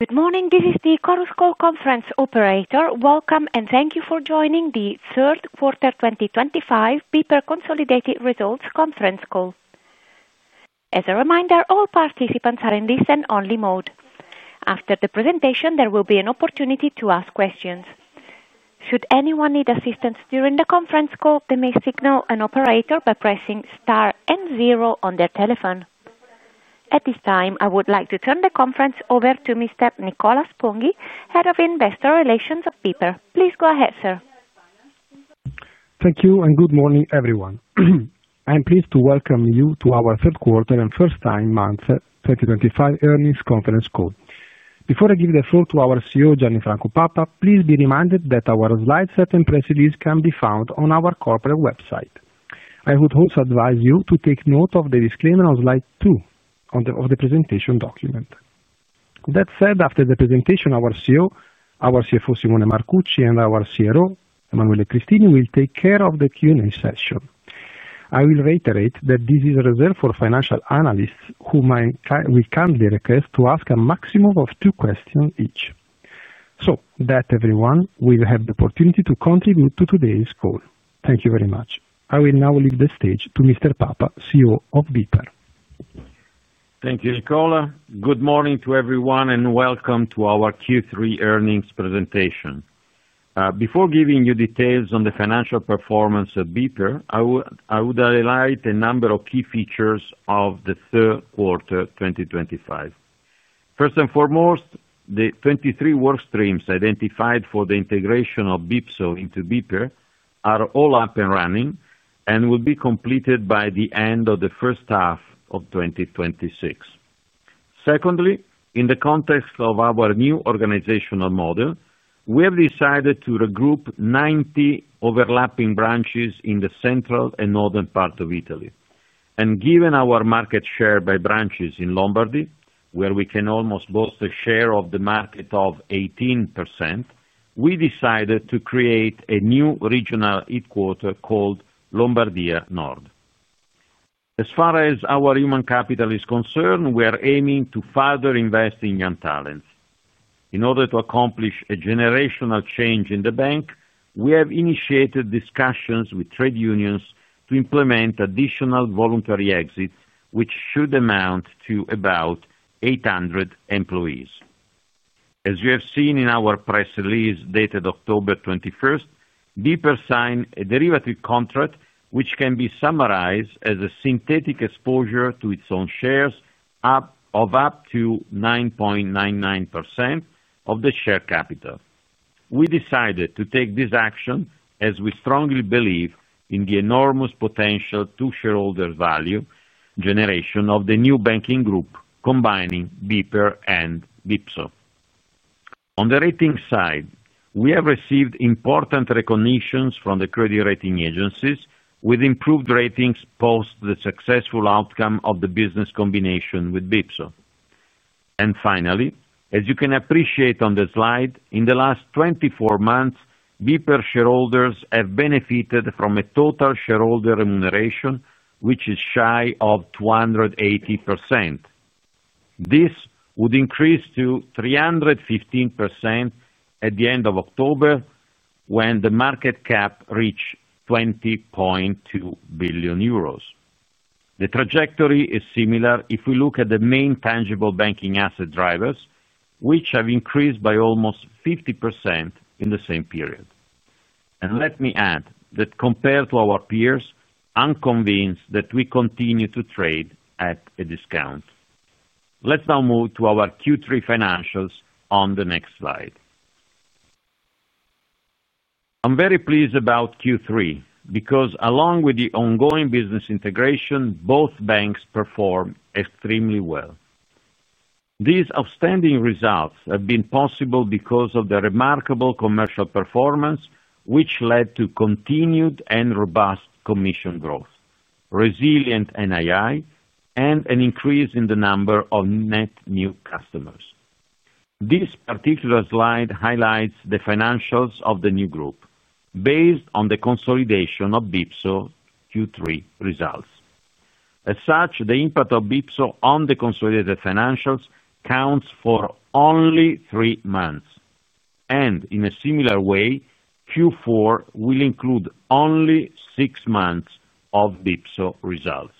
Good morning, this is the Chorus Call conference operator. Welcome and thank you for joining the third quarter 2025 BPER consolidated results conference call. As a reminder, all participants are in listen-only mode. After the presentation, there will be an opportunity to ask questions. Should anyone need assistance during the conference call, they may signal an operator by pressing star and zero on their telephone. At this time I would like to turn the conference over to Mr. Nicola Sponghi, Head of Investor Relations at BPER. Please go ahead, sir. Thank you and good morning everyone. I am pleased to welcome you to our third quarter and first nine months 2025 earnings conference call. Before I give the floor to our CEO Gianni Franco Papa, please be reminded that our slide set and press release can be found on our corporate website. I would also advise you to take. Note the disclaimer on slide two of the presentation document. That said, after the presentation, our CEO, our CFO Simone Marcucci, and our CRO, Emanuele Cristini, will take care of the Q&A session. I will reiterate that this is reserved for financial analysts who we kindly request to ask a maximum of two questions each so that everyone will have the opportunity to contribute to today's call. Thank you very much. I will now leave the stage to Mr. Papa, CEO of BPER. Thank you, Nicola. Good morning to everyone and welcome to our Q3 earnings presentation. Before giving you details on the financial performance of BPER, I would highlight a number of key features of the third quarter 2025. First and foremost, the 23 work streams identified for the integration of BPSO into BPER are all up and running and will be completed by the end of the first half of 2026. Secondly, in the context of our new organizational model, we have decided to regroup 90 overlapping branches in the central and northern part of Italy and given our market share by branches in Lombardy, where we can almost boast a share of the market of 18%. We decided to create a new regional headquarter called Lombardia Nord. As far as our human capital is concerned, we are aiming to further invest in young talents in order to accomplish a generational change in the bank. We have initiated discussions with trade unions to implement additional voluntary exits which should amount to about, as you have seen in our press release dated October 21st. BPER signed a derivative contract which can be summarized as a synthetic exposure to its own shares of up to 9.99% of the share capital. We decided to take this action as we strongly believe in the enormous potential to shareholder value generation of the new banking group combining BPER and BPSO. On the ratings side, we have received important recognitions from the credit rating agencies with improved ratings post the successful outcome of the business combination with BPSO. Finally, as you can appreciate on the slide, in the last 24 months BPER shareholders have benefited from a total shareholder remuneration which is shy of 280%. This would increase to 315% at the end of October when the market cap reached 20.2 billion euros. The trajectory is similar if we look at the main tangible banking asset drivers which have increased by almost 50% in the same period. Let me add that compared to our peers, I'm convinced that we continue to trade at a discount. Let's now move to our Q3 financials on the next slide. I'm very pleased about Q3 because along with the ongoing business integration, both banks perform extremely well. These outstanding results have been possible because of the remarkable commercial performance which led to continued and robust commission growth, resilient NII and an increase in the number of net new customers. This particular slide highlights the financials of the new group based on the consolidation of BPSO Q3 results. As such, the impact of BPSO on the consolidated financials counts for only three months and in a similar way, Q4 will include only six months of BPSO results.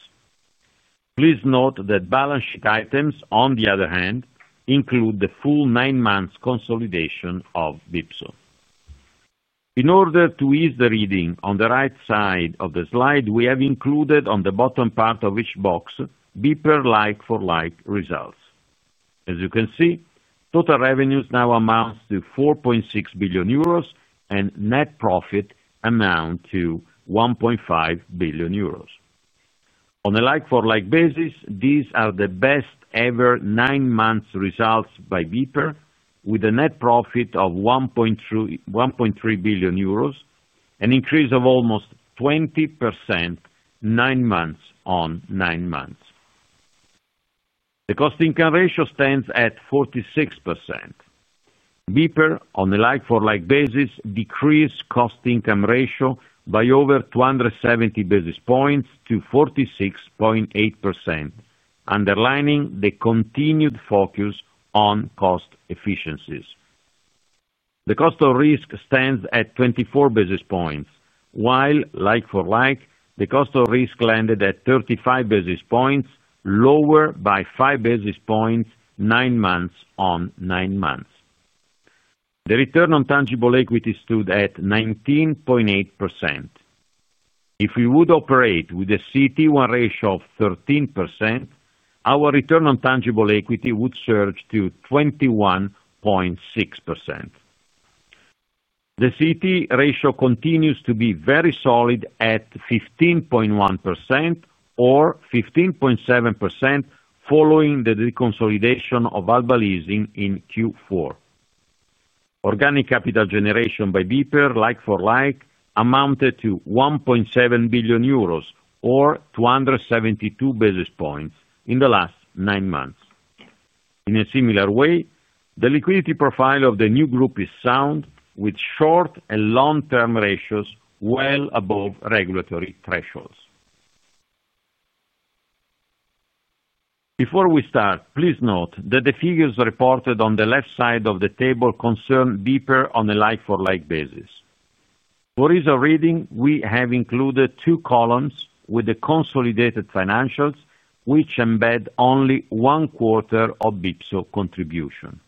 Please note that balance sheet items on the other hand, include the full nine months consolidation of BPSO. In order to ease the reading on the right side of the slide, we have included on the bottom part of each box BPER like-for-like results. As you can see, total revenues now amount to 4.6 billion euros and net profit amounts to 1.5 billion euros on a like-for-like basis. These are the best ever nine months results by BPER with a net profit of 1.3 billion euros, an increase of almost 20%. Nine months-on-nine months, the cost income ratio stands at 46%. BPER, on a like for like basis, decreased cost income ratio by over 270 basis points to 46.8%. Underlining the continued focus on cost efficiencies, the cost of risk stands at 24 basis points, while like for like the cost of risk landed at 35 basis points, lower by 5 basis points. Nine months on nine months, the return on tangible equity stood at 19.8%. If we would operate with a CET1 ratio of 13%, our return on tangible equity would surge to 21.6%. The CET1 ratio continues to be very solid at 15.1% or 15.7% following the deconsolidation of Alba Leasing in Q4. Organic capital generation by BPER, like for like, amounted to 1.7 billion euros or 272 basis points in the last nine months. In a similar way, the liquidity profile of the new group is sound with short and long term ratios well above regulatory thresholds. Before we start, please note that the figures reported on the left side of the table concern BPER on a like-for-like basis. For ease of reading, we have included two columns with the consolidated financials and which embed only one quarter of BPSO contribution.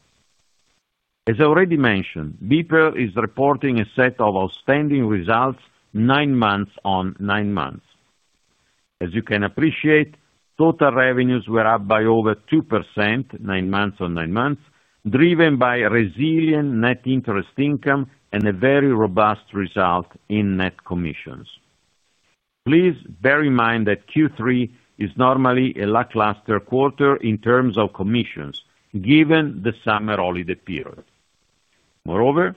As I already mentioned, BPER is reporting a set of outstanding results nine months on nine months. As you can appreciate, total revenues were up by over 2% nine months on nine months driven by resilient net interest income and a very robust result in net commissions. Please bear in mind that Q3 is normally a lackluster quarter in terms of commissions given the summer holiday period. Moreover,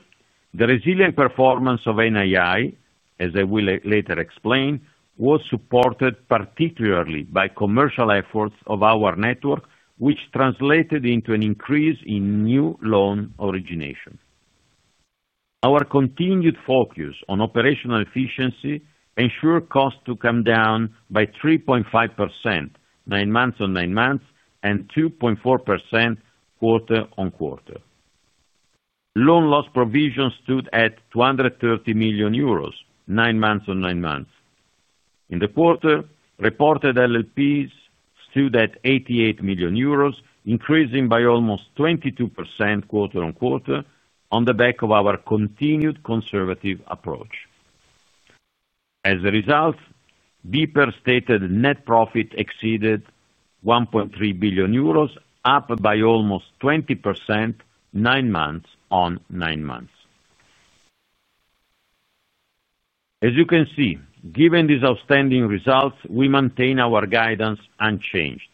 the resilient performance of NII as I will later explain, was supported particularly by commercial efforts of our network which translated into an increase in new loan origination. Our continued focus on operational efficiency ensured cost to come down by 3.5% nine months on nine months and 2.4% quarter-on-quarter. Loan loss provisions stood at 230 million euros nine months on nine months. In the quarter reported, LLPs stood at 88 million euros, increasing by almost 22% quarter-on-quarter. On the back of our continued conservative approach, as a result, BPER stated net profit exceeded 1.3 billion euros, up by almost 20% nine months on nine months. As you can see, given these outstanding results, we maintain our guidance unchanged.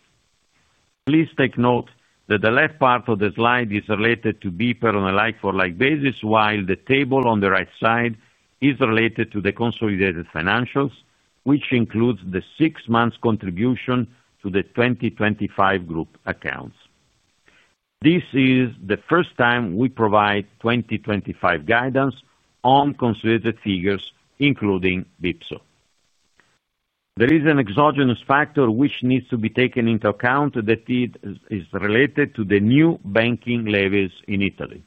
Please take note that the left part of the slide is related to BPER on a like-for-like basis while the table on the right side is related to the consolidated financials which includes the six months contribution to the 2025 group accounts. This is the first time we provide 2025 guidance on consolidated figures including BPSO. There is an exogenous factor which needs to be taken into account that it is related to the new banking levies in Italy.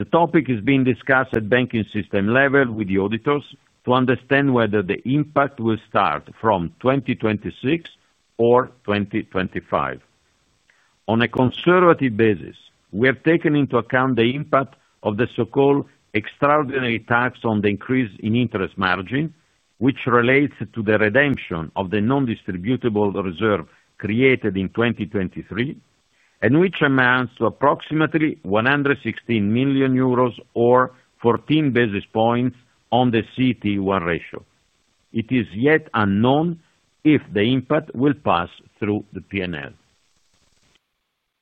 The topic is being discussed at banking system level with the auditors to understand whether the impact will start from 2026 or 2025. On a conservative basis. We have taken into account the impact of the so-called extraordinary tax on the increase in interest margin which relates to the redemption of the non-distributable reserve created in 2023 and which amounts to approximately 116 million euros or 14 basis points on the CET1 ratio. It is yet unknown if the impact will pass through the P& L.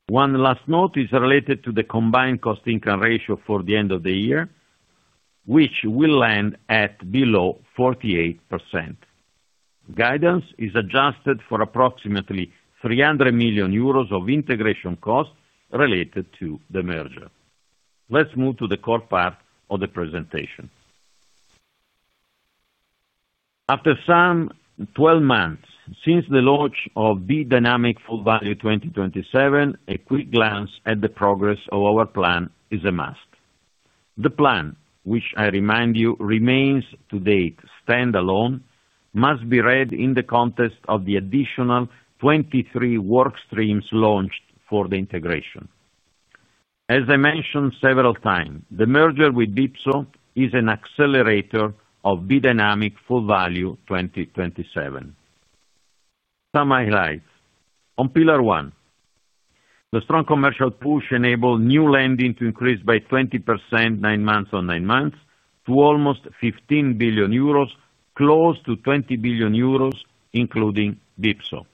One last note is related to the combined cost-income ratio for the end of the year which will land at below 48%. Guidance is adjusted for approximately 300 million euros of integration cost related to the merger. Let's move to the core part of the presentation. After some 12 months since the launch of B:Dynamic Full Value 2027, a quick glance at the progress of our plan is a must. The plan, which I remind you remains to date standalone, must be read in the context of the additional 23 work streams launched for the integration. As I mentioned several times, the merger with BPSO is an accelerator of B:Dynamic Full Value 2027. Some highlights on pillar one: the strong commercial push enabled new lending to increase by 20% nine months on nine months to almost 15 billion euros, close to 20 billion euros including BPSO.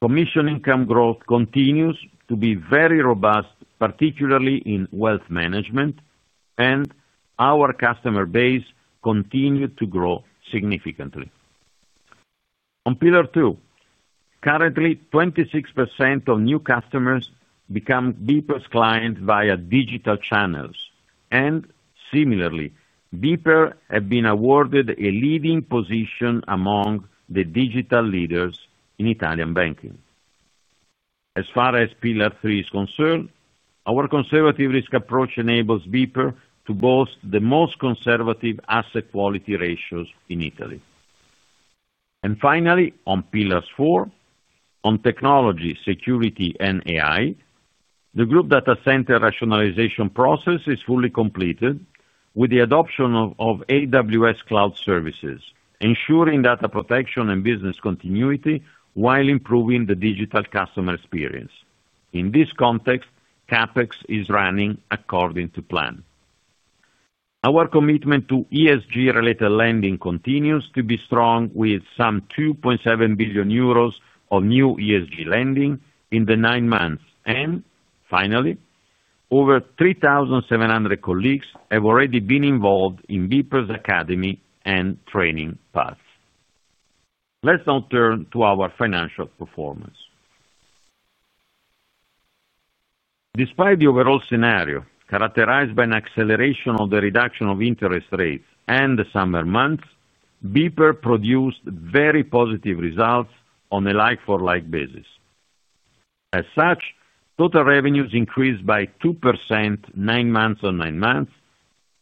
Commission income growth continues to be very robust, particularly in wealth management, and our customer base continues to grow significantly on pillar two. Currently, 26% of new customers become BPER's clients via digital channels, and similarly, BPER has been awarded a leading position among the digital leaders in Italian banking. As far as pillar three is concerned, our conservative risk approach enables BPER to boast the most conservative asset quality ratios in Italy. Finally, on pillar four, on technology, security, and AI, the group data center rationalization process is fully completed with the adoption of AWS cloud services, ensuring data protection and business continuity while improving the digital customer experience. In this context, CapEx is running according to plan. Our commitment to ESG-related lending continues to be strong with some 2.7 billion euros of new ESG lending in the nine months, and finally, over 3,700 colleagues have already been involved in BPER's academy and training path. Let's now turn to our financial performance. Despite the overall scenario characterized by an acceleration of the reduction of interest rates and the summer months, BPER produced very positive results on a like-for-like basis. As such, total revenues increased by 2% nine months on nine months,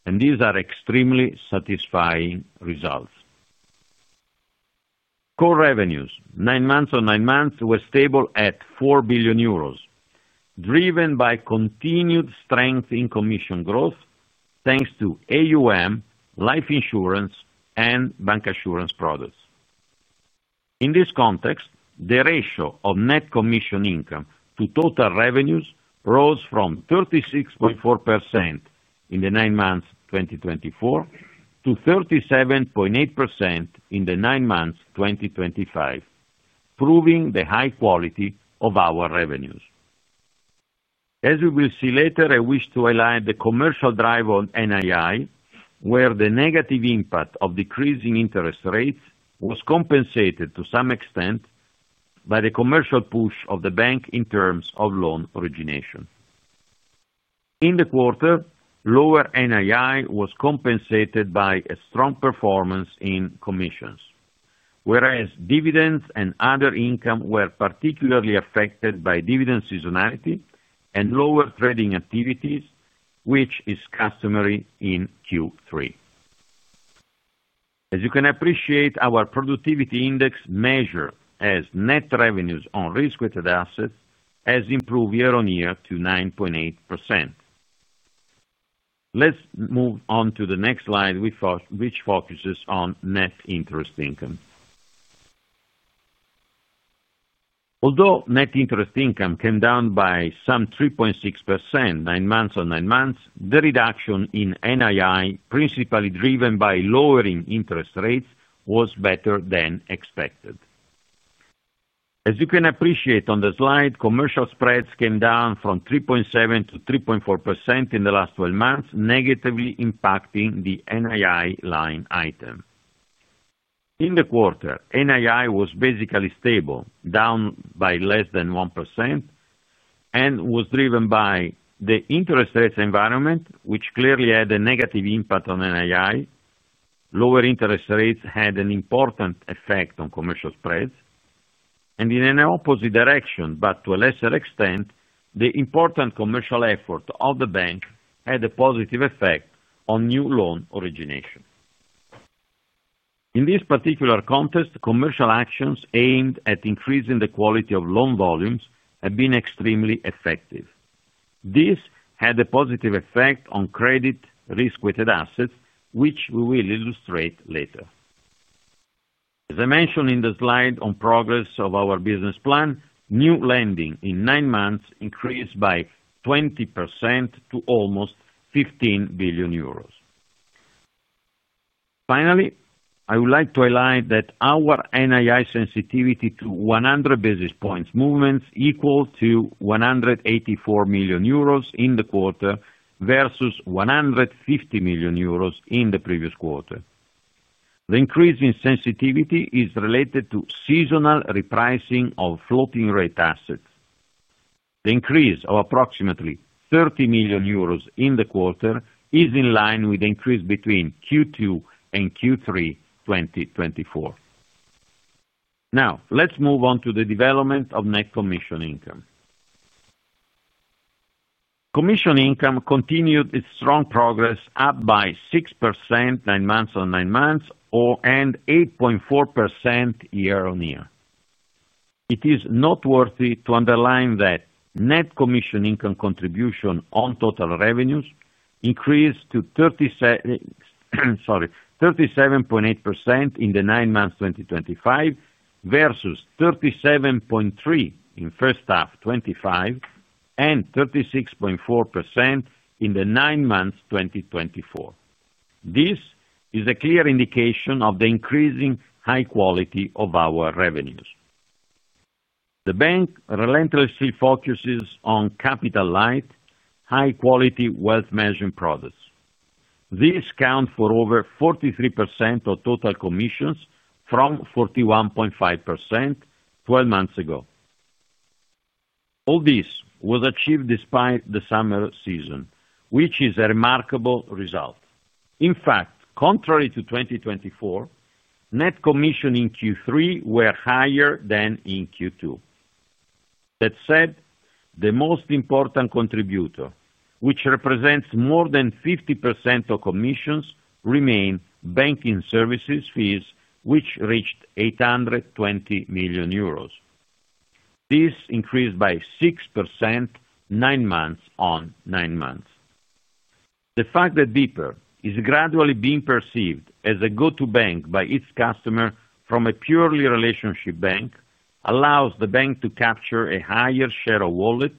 and these are extremely satisfying results. Core revenues nine months or nine months were stable at 4 billion euros driven by continued strength in commission growth thanks to AUM, life insurance, and bancassurance products. In this context, the ratio of net commission income to total revenues rose from 36.4% in the nine months 2024 to 37.8% in the nine months 2025, proving the high quality of our revenues as we will see later. I wish to highlight the commercial driver of NII where the negative impact of decreasing interest rates was compensated to some extent by the commercial push of the bank. In terms of loan origination in the quarter, lower NII was compensated by a strong performance in commissions, whereas dividends and other income were particularly affected by dividend seasonality and lower trading activities, which is customary in Q3. As you can appreciate, our productivity index measured as net revenues on risk-weighted assets has improved year-on-year to 9.8%. Let's move on to the next slide which focuses on net interest income. Although net interest income came down by some 3.6% nine months on nine months, the reduction in NII principally driven by lowering interest rates was better than expected. As you can appreciate on the slide, commercial spreads came down from 3.7% to 3.4% in the last 12 months, negatively impacting the NII line item in the quarter. NII was basically stable, down by less than 1% and was driven by the interest rates environment which clearly had a negative impact on NII. Lower interest rates had an important effect on commercial spreads and in an opposite direction, but to a lesser extent, the important commercial effort of the bank had a positive effect on new loan origination. In this particular context, commercial actions aimed at increasing the quality of loan volumes have been extremely effective. This had a positive effect on credit risk weighted assets which we will illustrate later. As I mentioned in the slide on progress of our business plan, new lending in nine months increased by 20% to almost EUR 15 billion. Finally, I would like to highlight that our NII sensitivity to 100 basis points movements equal to 184 million euros in the quarter versus 150 million euros in the previous quarter. The increase in sensitivity is related to seasonal repricing of floating rate assets. The increase of approximately 30 million euros in the quarter is in line with the increase between Q2 and Q3 2024. Now let's move on to the development of net commission income. Commission income continued its strong progress, up by 6% nine months on nine months and 8.4% year-on-year. It is noteworthy to underline that net commission income contribution on total revenues increased to 37.8% in the nine months 2025 versus 37.3% in first half 2025 and 36.4% in the nine months 2024. This is a clear indication of the increasing high quality of our revenues. The bank relentlessly focuses on capital light high quality wealth management products. These count for over 43% of total commissions from 41.5% twelve months ago. All this was achieved despite the summer season, which is a remarkable result. In fact, contrary to 2024, net commission in Q3 were higher than in Q2. That said, the most important contributor which represents more than 50% of commissions remain banking services fees which reached 820 million euros. This increased by 6% nine months on nine months. The fact that BPER is gradually being perceived as a go to bank by its customer from a purely relationship bank allows the bank to capture a higher share of wallet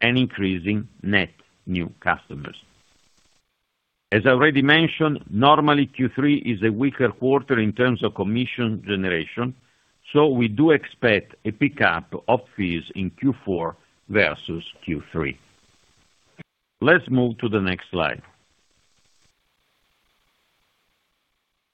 and increasing net new customers. As I already mentioned, normally Q3 is a weaker quarter in terms of commission generation. We do expect a pickup of fees in Q4 versus Q3. Let's move to the next slide.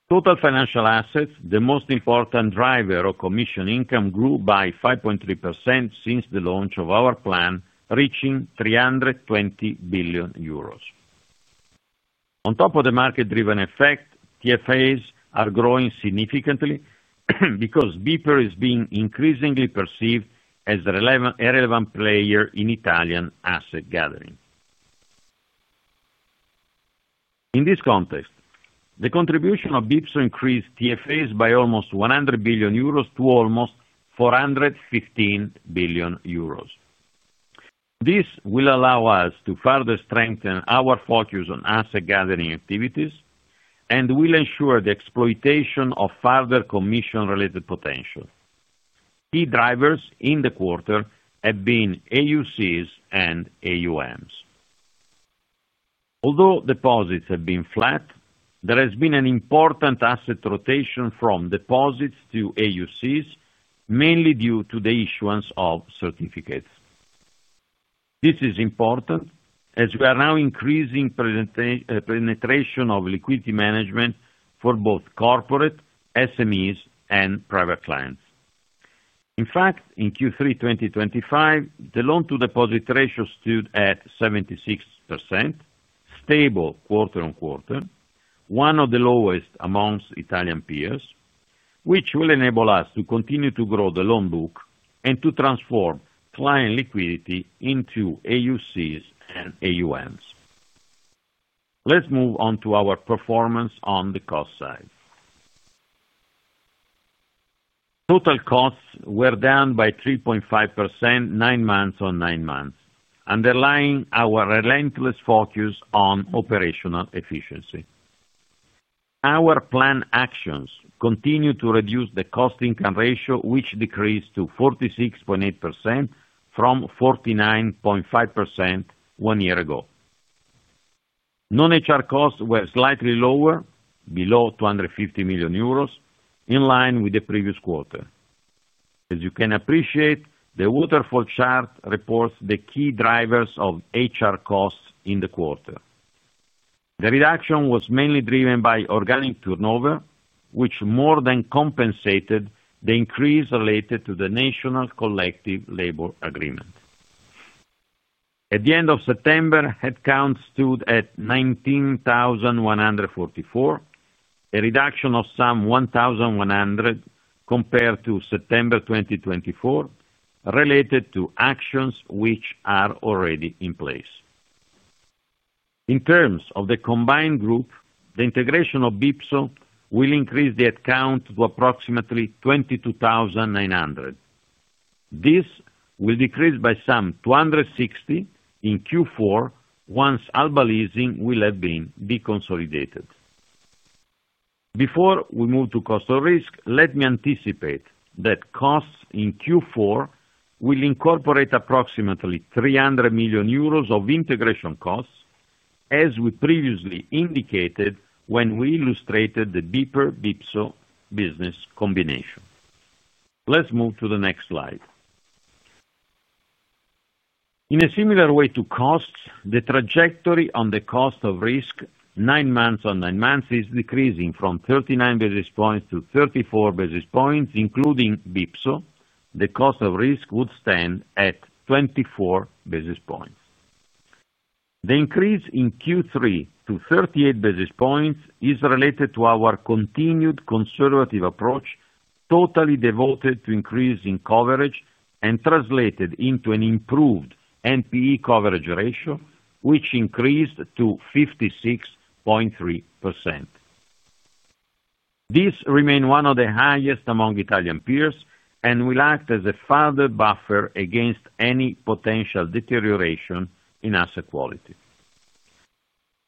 Total financial assets, the most important driver of commission income, grew by 5.3% since the launch of our plan, reaching 320 billion euros. On top of the market-driven effect, TFAs are growing significantly because BPER is being increasingly perceived as a relevant player in Italian asset gathering. In this context, the contribution of BPSO increased TFAs by almost 100 billion euros to almost 415 billion euros. This will allow us to further strengthen our focus on asset gathering activities and will ensure the exploitation of further commission-related potential. Key drivers in the quarter have been AUCs and AUMs. Although deposits have been flat, there has been an important asset rotation from deposits to AUCs, mainly due to the issuance of certificates. This is important as we are now increasing penetration of liquidity management for both corporate SMEs and private clients. In fact, in Q3 2025 the loan to deposit ratio stood at 76% stable quarter-on-quarter, one of the lowest amongst Italian peers which will enable us to continue to grow the loan book and to transform client liquidity into AUCs and AUMs. Let's move on to our performance on the cost side. Total costs were down by 3.5% nine months on nine months. Underlying our relentless focus on operational efficiency, our planned actions could continue to reduce the cost income ratio which decreased to 46.8% from 49.5% one year ago. Non HR costs were slightly lower below 250 million euros in line with the previous quarter. As you can appreciate, the waterfall chart reports the key drivers of HR costs in the quarter. The reduction was mainly driven by organic turnover which more than compensated the increase related to the National Collective labor agreement. At the end of September, headcount stood at 19,144, a reduction of some 1,100 compared to September 2024. Related to actions which are already in place. In terms of the combined group, the integration of BPSO will increase the headcount to approximately 22,900. This will decrease by some 260 in Q4 once Alba Leasing will have been deconsolidated. Before we move to cost of risk, let me anticipate that costs in Q4 will incorporate approximately 300 million euros of integration costs. As we previously indicated when we illustrated the BPER BPSO business combination, let's move to the next slide in a similar way to costs. The trajectory on the cost of risk 9 months on 9 months is decreasing from 39 basis points to 34 basis points including BPSO, the cost of risk would stand at 24 basis points. The increase in Q3 to 38 basis points is related to our continued conservative approach, totally devoted to increasing coverage and translated into an improved NPE coverage ratio which increased to 56.3%. This remains one of the highest among Italian peers and will act as a further buffer against any potential deterioration in asset quality.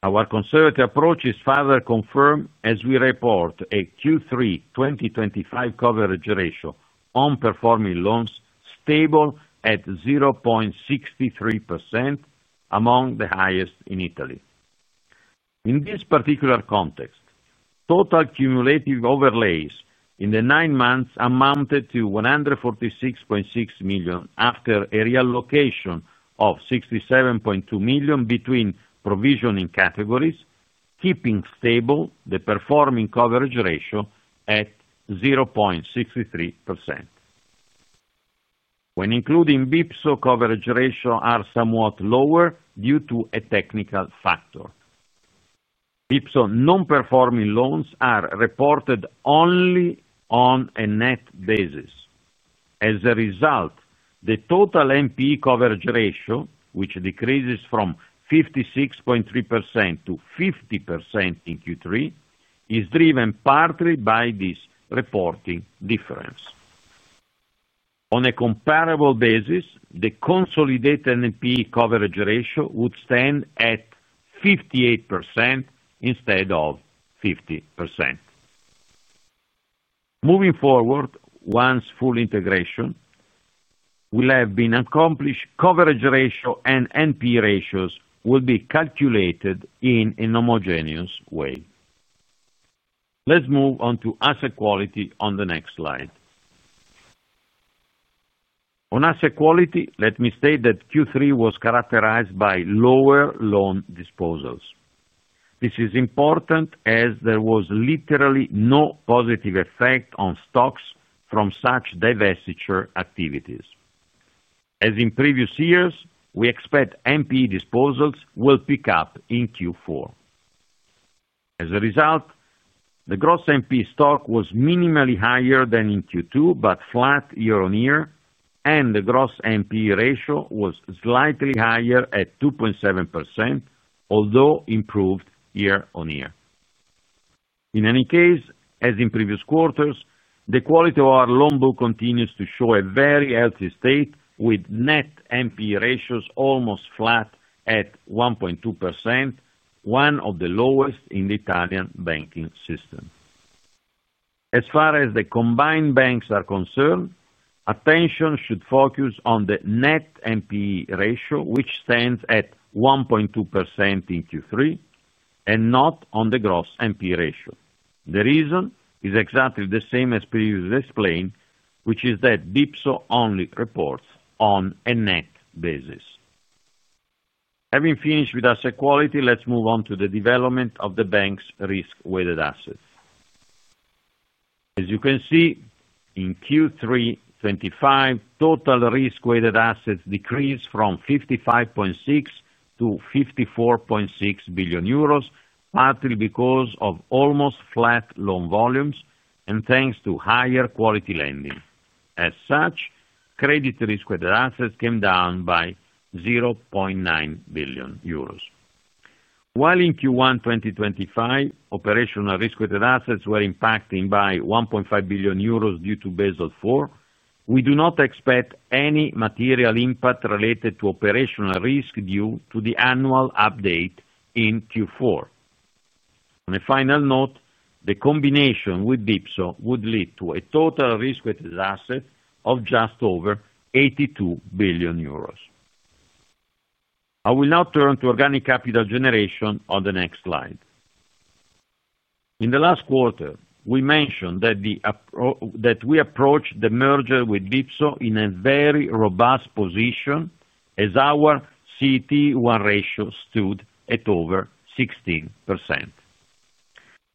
Our conservative approach is further confirmed as we report a Q3 2025 coverage ratio on performing loans stable at 0.63%, among the highest in Italy. In this particular context, total cumulative overlays in the nine months amounted to 146.6 million after a reallocation of 67.2 million between provisioning categories, keeping stable the performing coverage ratio at 0.63%. When including BPSO, coverage ratios are somewhat lower due to a technical factor. BPSO non-performing loans are reported only on a net basis. As a result, the total NPE coverage ratio, which decreases from 56.3% to 50% in Q3, is driven partly by this reporting difference. On a comparable basis, the consolidated NPE coverage ratio would stand at 58% instead of 50%. Moving forward, once full integration will have been accomplished, coverage ratio and NP ratios will be calculated in a homogeneous way. Let's move on to asset quality on the next slide. On asset quality, let me state that Q3 was characterized by lower loan disposals. This is important as there was literally no positive effect on stocks from such divestiture activities. As in previous years, we expect NPE disposals will pick up in Q4. As a result, the gross NP stock was minimally higher than in Q2 but flat year-on-year, and the gross NP ratio was slightly higher at 2.7% although improved year-on-year. In any case, as in previous quarters, the quality of our loan book continues to show a very healthy state with net NPE ratios almost flat at 1.2%, one of the lowest in the Italian banking system. As far as the combined banks are concerned, attention should focus on the net NPE ratio which stands at 1.2% in Q3 and not on the gross NPE ratio. The reason is exactly the same as previously explained, which is that BPSO only reports on a net basis. Having finished with asset quality, let's move on to the development of the bank's risk-weighted assets. As you can see, in Q3 2025 total risk-weighted assets decreased from 55.6 billion to 54.6 billion euros partly because of almost flat loan volumes and thanks to higher quality lending. As such, credit risk-weighted assets came down by 0.9 billion euros while in Q1 2025 operational risk-weighted assets were impacted by 1.5 billion euros due to Basel IV. We do not expect any material impact related to operational risk due to the annual update in Q4. On a final note, the combination with BPSO would lead to a total risk-weighted asset of just over 82 billion euros. I will now turn to organic capital generation on the next slide. In the last quarter we mentioned that we approached the merger with BPSO in a very robust position as our CET1 ratio stood at over 16%.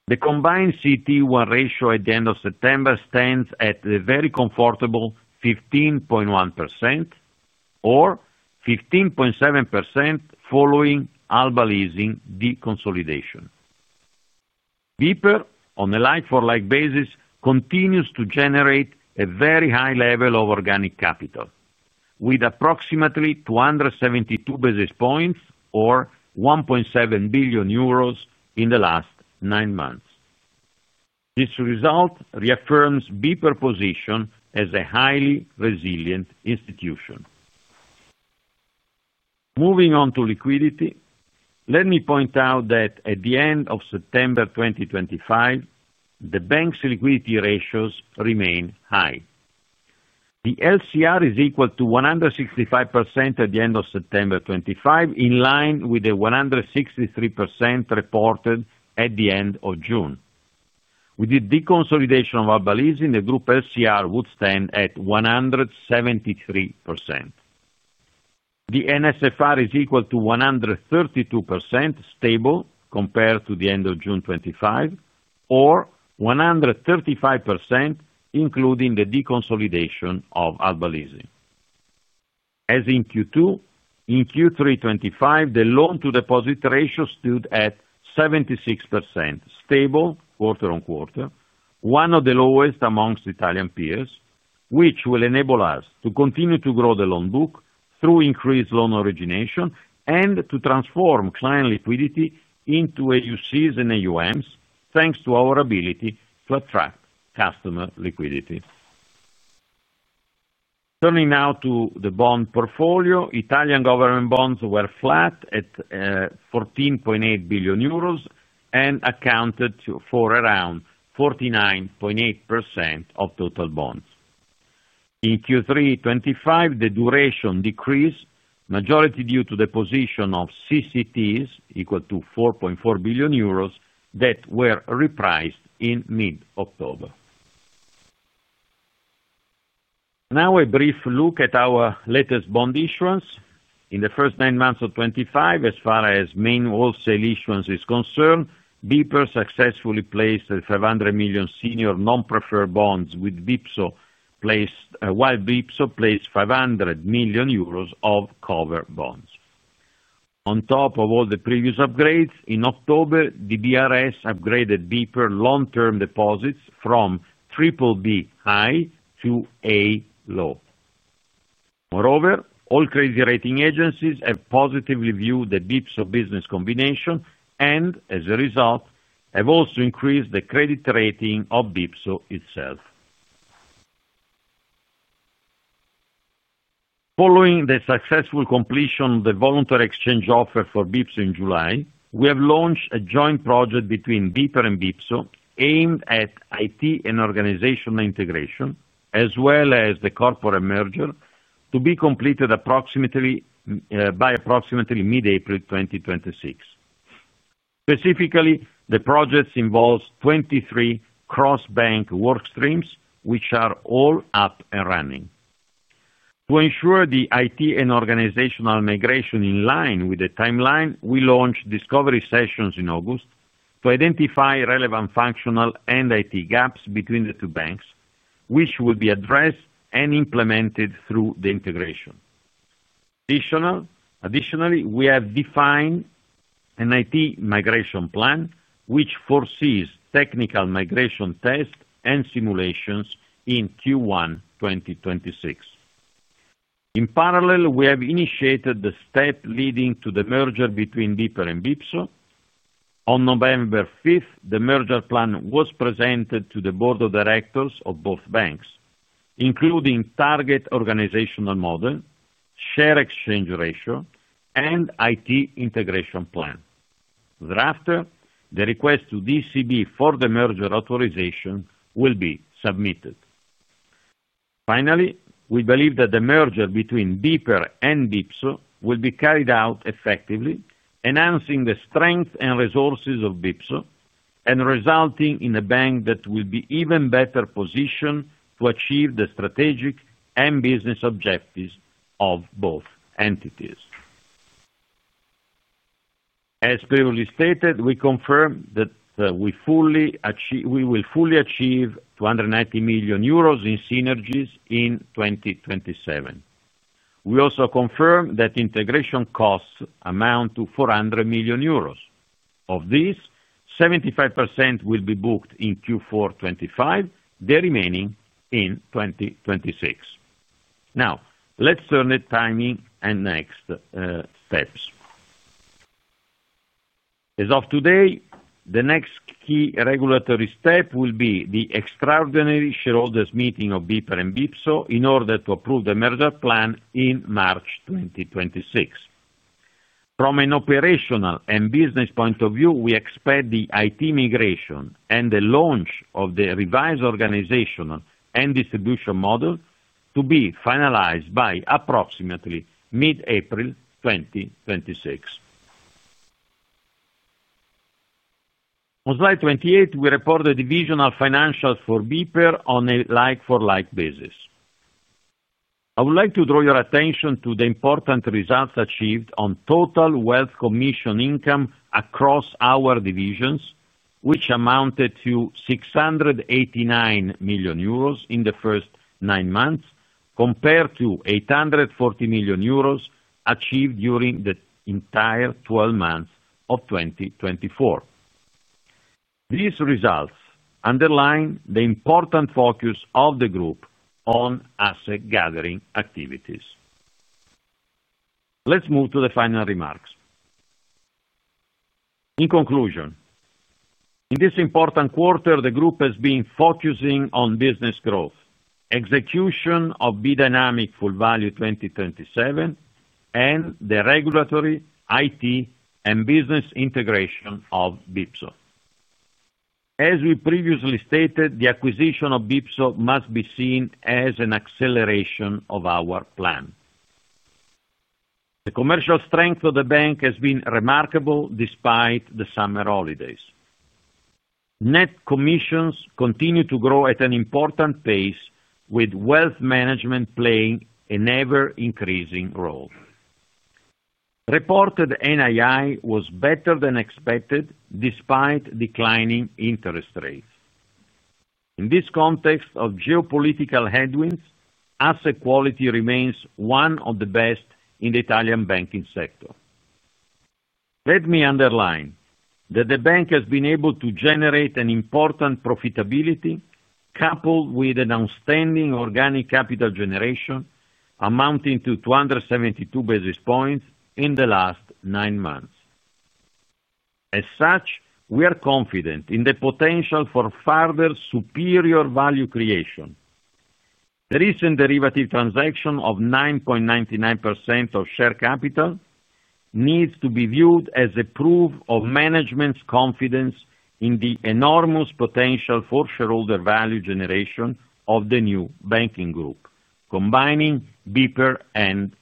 The combined CET1 ratio at the end of September stands at a very comfortable 15.1% or 15.7%. Following Alba Leasing deconsolidation, BPER on a like-for-like basis continues to generate a very high level of organic capital with approximately 272 basis points or 1.7 billion euros in the last nine months. This result reaffirms BPER position as a highly resilient institution. Moving on to liquidity, let me point out that at the end of September 2025 the bank's liquidity ratios remain high. The LCR is equal to 165% at the end of September 25 in line with the 163% reported at the end of June. With the deconsolidation of Alba Leasing the group LCR would stand at 173%. The NSFR is equal to 132% stable compared to the end of June 25 or 135% including the deconsolidation of Alba Leasing as in Q2. In Q3 2025 the loan to deposit ratio stood at 76%, stable quarter-on-quarter, one of the lowest amongst Italian peers, which will enable us to continue to grow the loan book through increased loan origination and to transform client liquidity into AUCs and AUMs thanks to our ability to attract customer liquidity. Turning now to the bond portfolio, Italian government bonds were flat at 14.8 billion euros and accounted for around 49.8% of total bonds. In Q3 2025 the duration decreased, majority due to the position of CCTs equal to 4.4 billion euros that were repriced in mid October. Now a brief look at our latest bond issuance in the first nine months of 2025. As far as main wholesale issuance is concerned, BPER successfully placed 500 million senior non-preferred bonds with BPSO while BPSO placed 500 million euros of Covered Bonds on top of all the previous upgrades. In October, DBRS upgraded BPER long-term deposits from BBB high to A low. Moreover, all major rating agencies have positively viewed the BPSO business combination and as a result have also increased the credit rating of BPSO itself. Following the successful completion of the voluntary exchange offer for BPSO in July, we have launched a joint project between BPER and BPSO aimed at IT and organizational integration as well as the corporate merger to be completed approximately by mid-April 2026. Specifically, the project involves 23 cross-bank work streams which are all up and running to ensure the IT and organizational migration in line with the timeline. We launched discovery sessions in August to identify relevant functional and IT gaps between the two banks which will be addressed and implemented through the integration. Additionally, we have defined an IT migration plan which foresees technical migration tests and simulations in Q1 2026. In parallel, we have initiated the step leading to the merger between BPER and BPSO. On November 5th the merger plan was presented to the Board of Directors of both banks including target organizational model, share exchange ratio and IT integration plan. Thereafter, the request to ECB for the merger authorization will be submitted. Finally, we believe that the merger between BPER and BPSO will be carried out effectively enhancing the strength and resources of BPSO and resulting in a bank that will be even better positioned to achieve the strategic and business objectives of both entities. As previously stated, we confirmed that we will fully achieve 290 million euros in synergies in 2027. We also confirm that integration costs amount to 400 million euros. Of these, 75% will be booked in Q4 2025, the remaining in 2026. Now let's turn to the timing and next steps. As of today, the next key regulatory step will be the extraordinary shareholders meeting of BPER and BPSO in order to approve the merger plan in March 2026. From an operational and business point of view, we expect the IT migration and the launch of the revised organization and distribution model to be finalized by approximately mid-April 2026. On slide 28, we report the divisional financials for BPER on a like-for-like basis. I would like to draw your attention to the important results achieved on total wealth commission income across our divisions, which amounted to 689 million euros in the first nine months, compared to 840 million euros achieved during the entire 12 months of 2024. These results underline the important focus of the Group on asset gathering activities. Let's move to the final remarks. In conclusion, in this important quarter, the Group has been focusing on business growth, execution of B:Dynamic Full Value 2027 and the regulatory IT and business integration of BPSO. As we previously stated, the acquisition of BPSO must be seen as an acceleration of our plan. The commercial strength of the bank has been remarkable. Despite the summer holidays, net commissions continue to grow at an important pace with wealth management playing an ever increasing role. Reported NII was better than expected despite declining interest rates. In this context of geopolitical headwinds, asset quality remains one of the best in the Italian banking sector. Let me underline that the bank has been able to generate an important profitability coupled with an outstanding organic capital generation amounting to 272 basis points in the last nine months. As such, we are confident in the potential for further superior value creation. The recent derivative transaction of 9.99% of share capital needs to be viewed as a proof of management's confidence in the enormous potential for shareholder value generation of the new banking group combining BPER and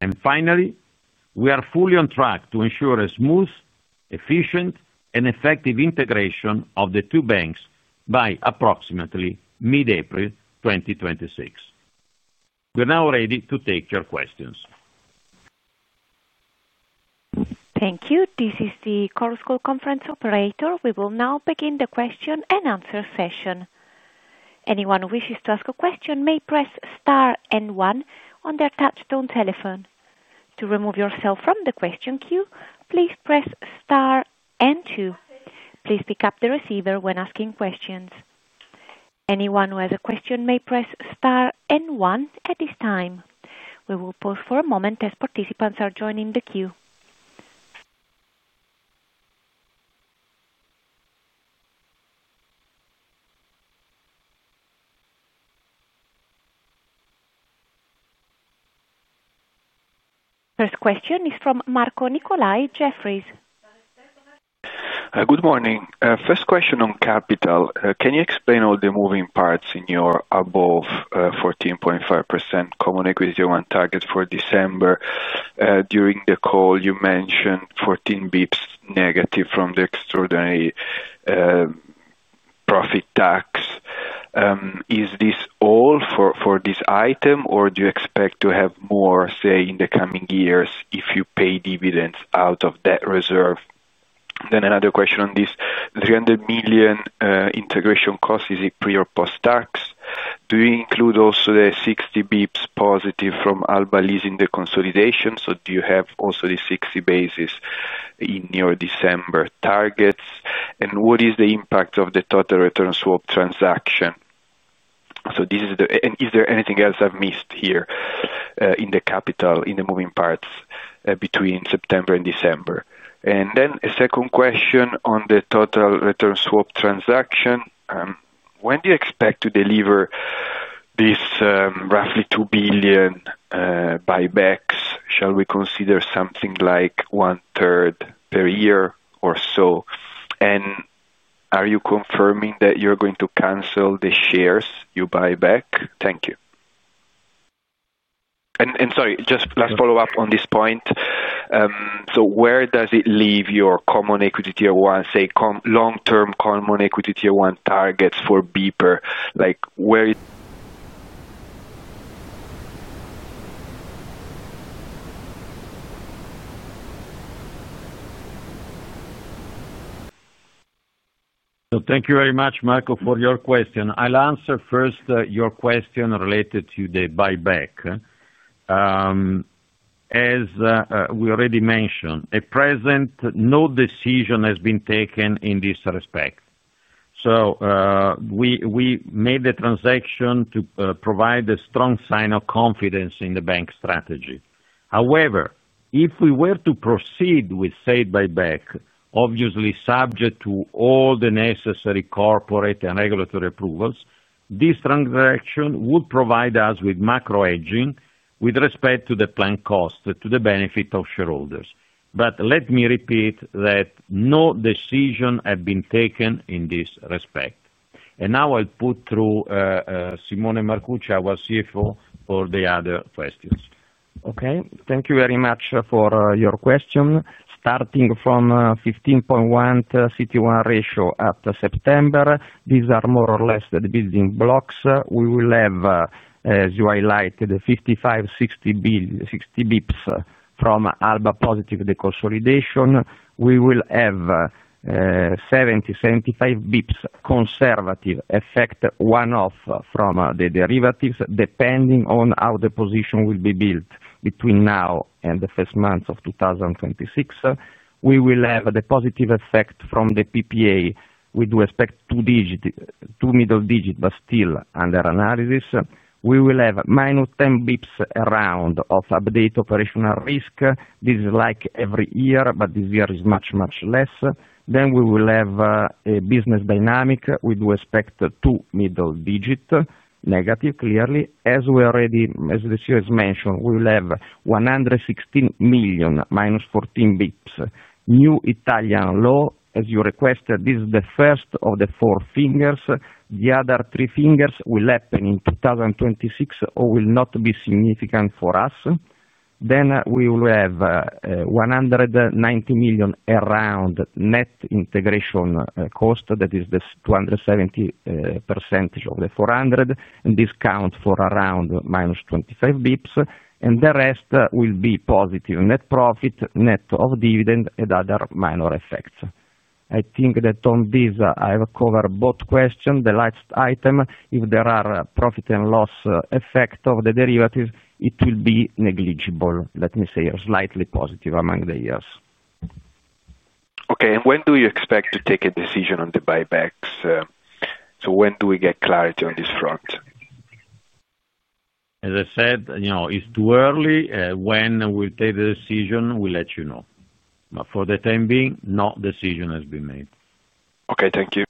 BPSO. Finally, we are fully on track to ensure a smooth, efficient and effective integration of the two banks by approximately mid April 2026. We are now ready to take your questions. Thank you. This is the Chorus Call conference operator. We will now begin the question and answer session. Anyone who wishes to ask a question may press star one on their touch-tone telephone. To remove yourself from the question queue, please press star and two. Please pick up the receiver when asking questions. Anyone who has a question may press one. At this time we will pause for a moment as participants are joining the queue. First question is from Marco Nicolai, Jefferies. Good morning. First question on capital, can you explain all the moving parts in your above 14.5% common equity? One target for December? During the call you mentioned 14 bps negative from the extraordinary profit tax. Is this all for this item or do you expect to have more, say, in the coming years, if you pay dividends out of that reserve? Then another question on this 300 million integration cost, is it pre or post tax? Do you include also the 60 bps positive from Alba Leasing deconsolidation? So do you have also the 60 basis points in your December targets? What is the impact of the total return swap transaction? Is there anything else I have missed here in the capital, in the moving parts between September and December? A second question on the total return swap transaction. When do you expect to deliver this roughly 2 billion buybacks? Shall we consider something like one-third per year or so? Are you confirming that you're going to cancel the shares you buy back? Thank you and sorry, just let's follow up on this point. Where does it leave your common equity tier 1, say long term common equity tier 1 targets for BPER, like where? Thank you very much Marco for your question. I'll answer first your question related to the buyback. As we already mentioned, at present no decision has been taken in this respect. We made the transaction to provide a strong sign of confidence in the bank strategy. However, if we were to proceed with said buyback, obviously subject to all the necessary corporate and regulatory approvals, this transaction would provide us with macro hedging with respect to the planned cost to the benefit of shareholders. Let me repeat that no decision has been taken in this respect. Now I'll put through Simone Marcucci, our CFO, for the other questions. Okay, thank you very much for your question. Starting from 15.1% CET1 ratio at September, these are more or less the building blocks we will have. As you highlighted, the 55-60 bps from Alba positive deconsolidation, we will have 70-75 bps conservative effect one-off from the derivatives depending on how the position will be. Built between now and the first month of 2026, we will have the positive effect from the PPA. We do expect two middle digit but still under analysis. We will have -10 basis points around of update operational risk. This is like every year, but this year is much, much less. We will have a business dynamic with respect to middle digit negative. Clearly, as we already, as the CEO has mentioned, we will have 116 million, -14 basis points, new Italian law. As you requested, this is the first of the four fingers. The other three fingers will happen in 2026 or will not be significant for us. We will have 190 million around net integration cost. That is the 27% of the 400 and this counts for -25 basis points and the rest will be positive net profit, net of dividend and other minor effects. I think that on this I will cover both questions. The last item, if there are profit and loss effect of the derivatives, it will be negligible, let me say slightly positive among the years. Okay, and when do you expect to take a decision on the buybacks? When do we get clarity on this front? As I said, it's too early. When we take the decision we'll let you know. For the time being no decision has been made. Okay, thank you.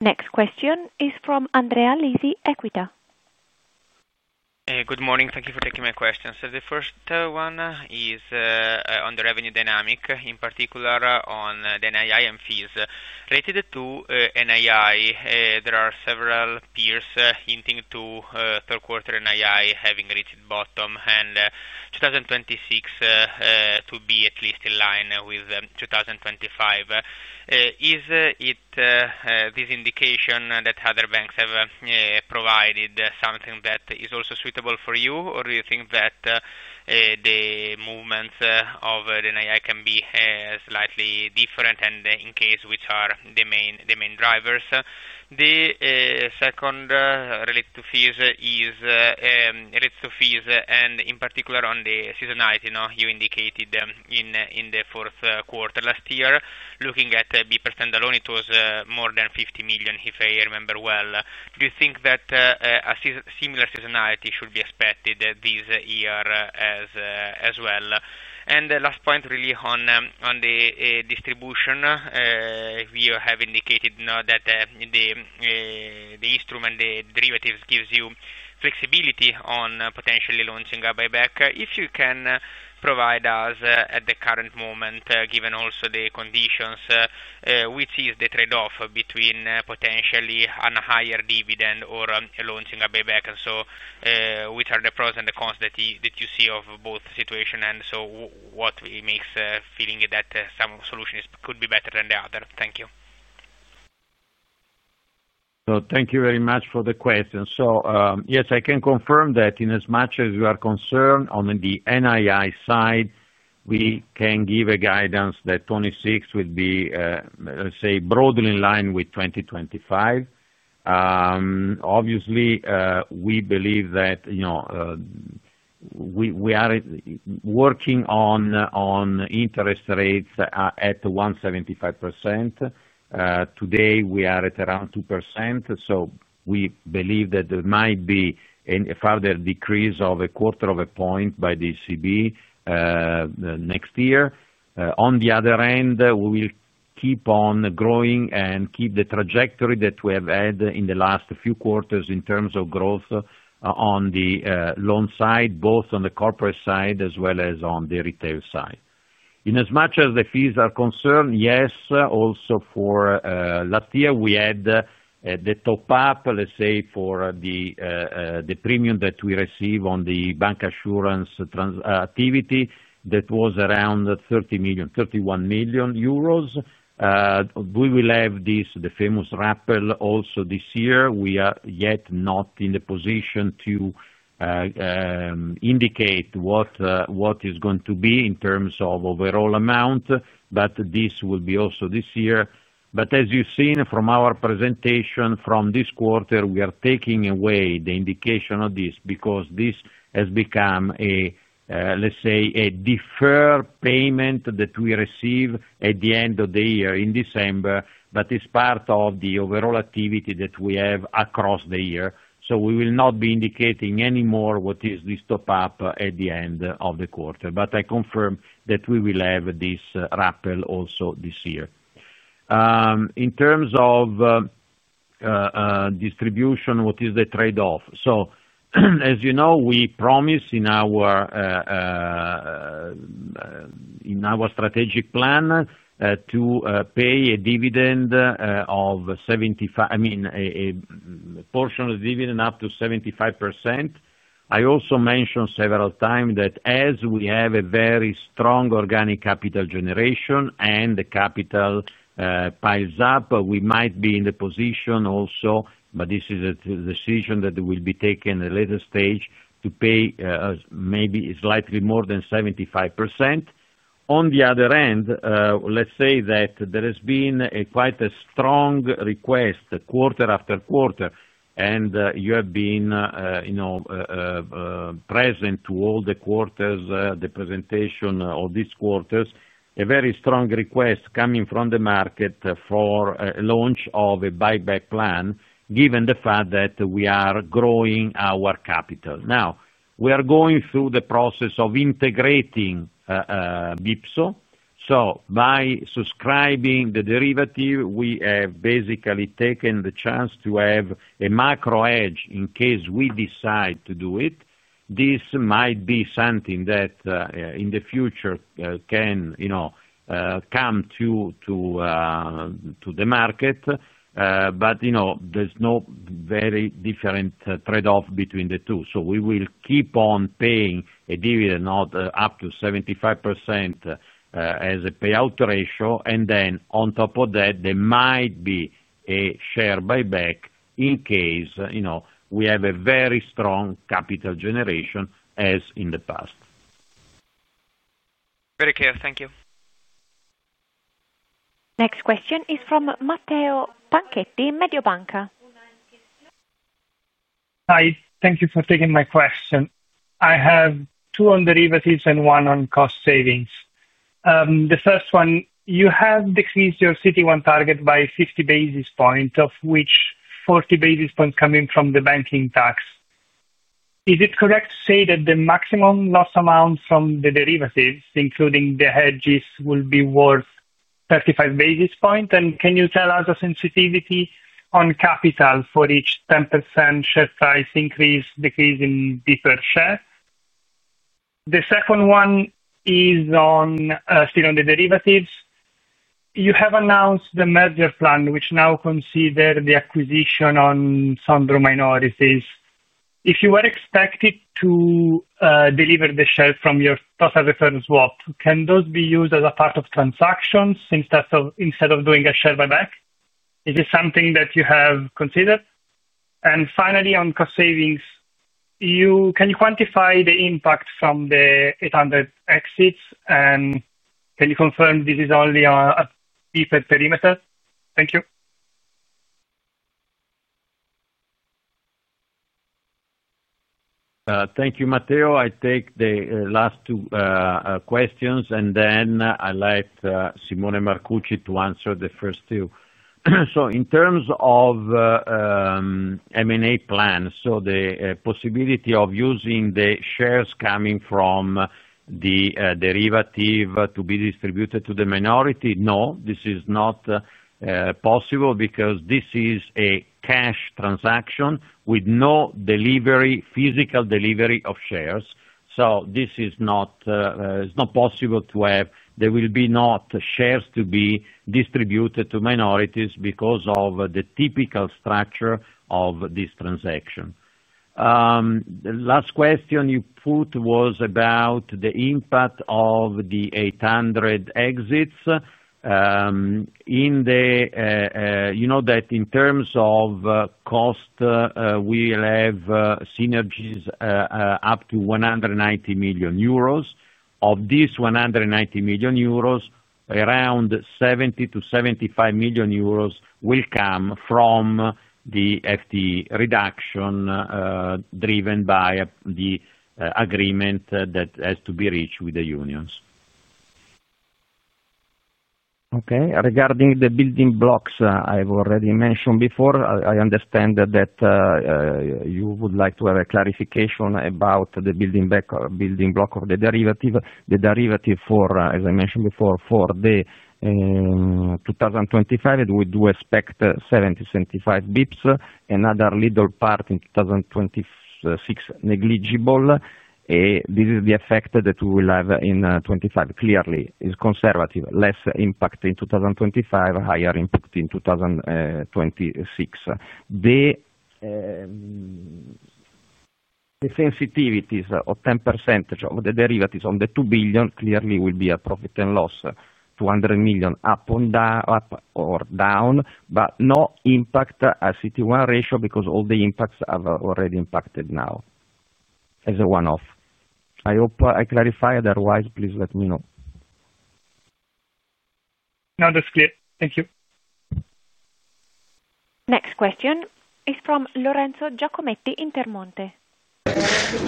Next question is from Andrea Lisi, Equita. Good morning. Thank you for taking my questions. The first one is on the revenue dynamic, in particular on the NII and fees related to NII. There are several peers hinting to third quarter NII having reached bottom and 2026 to be at least in line with 2025. Is it this indication that other banks have provided something that is also suitable for you? Or do you think that the movements of the NII can be slightly different and in case which are the main drivers? The second is related to fees. And in particular on the seasonality, you indicated them in the fourth quarter last year, looking at BPER standalone, it was more than 50 million if I remember well, do you think that a similar seasonality should be expected this year as well? The last point really on the distribution, you have indicated that the instrument, the derivatives, gives you flexibility on potentially launching a buyback. If you can provide us at the current moment, given also the conditions, which is the trade-off between potentially a higher dividend or launching a buyback, and what are the pros and the cons that you see of both situations, and what makes you feel that some solutions could be better than the other. Thank you. Thank you very much for the question. Yes, I can confirm that in as much as you are concerned on the NII side, we can give a guidance that 2026 would be, say, broadly in line with 2025. Obviously, we believe that we are working on interest rates at 1.75%. Today we are at around 2%. We believe that there might be a further decrease of a quarter of a point by the ECB next year. On the other hand, we will keep on growing and keep the trajectory that we have had in the last few quarters in terms of growth on the loan side, both on the corporate side as well as on the retail side. In as much as the fees are concerned, yes. Also for last year we had the top up. Let's say for the premium that we receive on the bancassurance activity, that was around 30 million, 31 million euros. We will have this, the famous rappel also this year. We are yet not in the position to indicate what is going to be in terms of overall amount. This will be also this year. As you have seen from our presentation from this quarter, we are taking away the indication of this because this has become a, let's say, a deferred payment that we receive at the end of the year in December, but is part of the overall activity that we have across the year. We will not be indicating anymore what is this top up at the end of the quarter. I confirm that we will have this rappel also this year. In terms of distribution, what is the trade off? As you know, we promise in our strategic plan to pay a dividend of 75%. I mean a portion of the dividend up to 75%. I also mentioned several times that as we have a very strong organic capital generation and the capital piles up, we might be in the position also, but this is a decision that will be taken at a later stage, to pay maybe slightly more than 75%. On the other end, let's say that there has been quite a strong request quarter after quarter and you have been, you know, present to all the quarters, the presentation of these quarters, a very strong request coming from the market for launch of a buyback plan. Given the fact that we are growing our capital now, we are going through the process of integrating BPSO. By subscribing the derivative, we have basically taken the chance to have a macro hedge in case we decide to do it. This might be something that in the future can come to the market. You know, there is no very different trade off between the two. We will keep on paying a dividend of up to 75% as a payout ratio and then on top of that there might be a share buyback in case, you know, we have a very strong capital generation as in the past. Thank you. Next question is from Matteo Panchetti, Mediobanca. Hi, thank you for taking my question. I have two on derivatives and one on cost savings. The first one, you have decreased your CET1 target by 50 basis points, of which 40 basis points coming from the banking tax. Is it correct to say that the maximum loss amount from the derivatives, including the hedges, will be worth 35 basis points? Can you tell us the sensitivity on capital for each 10% share price increase or decrease in BPER share? The second one is still on the derivatives. You have announced the merger plan, which now considers the acquisition. If you were expected to deliver the share from your total return swap, can those be used as a part of transactions instead of doing a share buyback? Is this something that you have considered? Finally, on cost savings, can you quantify the impact from the 800 exits? Can you confirm this is only a perimeter? Thank you. Thank you, Matteo. I take the last two questions and then I let Simone Marcucci answer the first two. In terms of M and A plan, the possibility of using the shares coming from the derivative to be distributed to the minority. No, this is not possible because this is a cash transaction with no physical delivery of shares. This is not possible to have. There will not be shares to be distributed to minorities because of the typical structure of this transaction. The last question you put was about the impact of the 800 exits. You know that in terms of cost we have synergies up to 190 million euros. Of this 190 million euros, around 70-75 million euros will come from the FTE reduction driven by the agreement that has to be reached with the unions. Okay. Regarding the building blocks, I've already mentioned before, I understand that you would like to have a clarification about the building block of the derivative. The derivative for, as I mentioned before, for 2025, we do expect 70-75 bps. Another little part in 2026, negligible. This is the effect that we will have in 2025, clearly is conservative. Less impact in 2025, higher impact in 2026. The. Sensitivities of 10% of the derivatives on the 2 billion clearly will be a profit loss, 200 million up or down, but no impact, a CET1 ratio because all the impacts have already impacted. Now, as a one off, I hope I clarify otherwise. Please let me know now. That's clear. Thank you. Next question is from Lorenzo Giacometti Intermonte.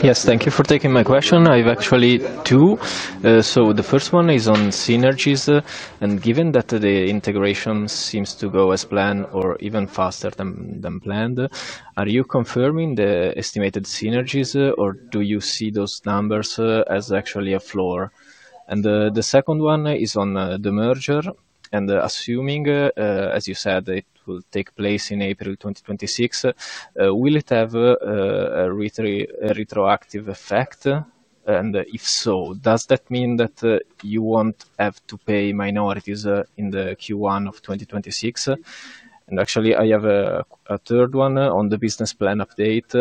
Yes, thank you for taking my question. I have actually two. The first one is on synergy. Given that the integration seems to go as planned, or even faster than planned, are you confirming the estimated synergies or do you see those numbers as actually a floor? The second one is on the merger. Assuming, as you said, it will take place in April 2026, will it have a retroactive effect? If so, does that mean that you will not have to pay minorities in the Q1 of 2026? Actually, I have a third one on the business plan update.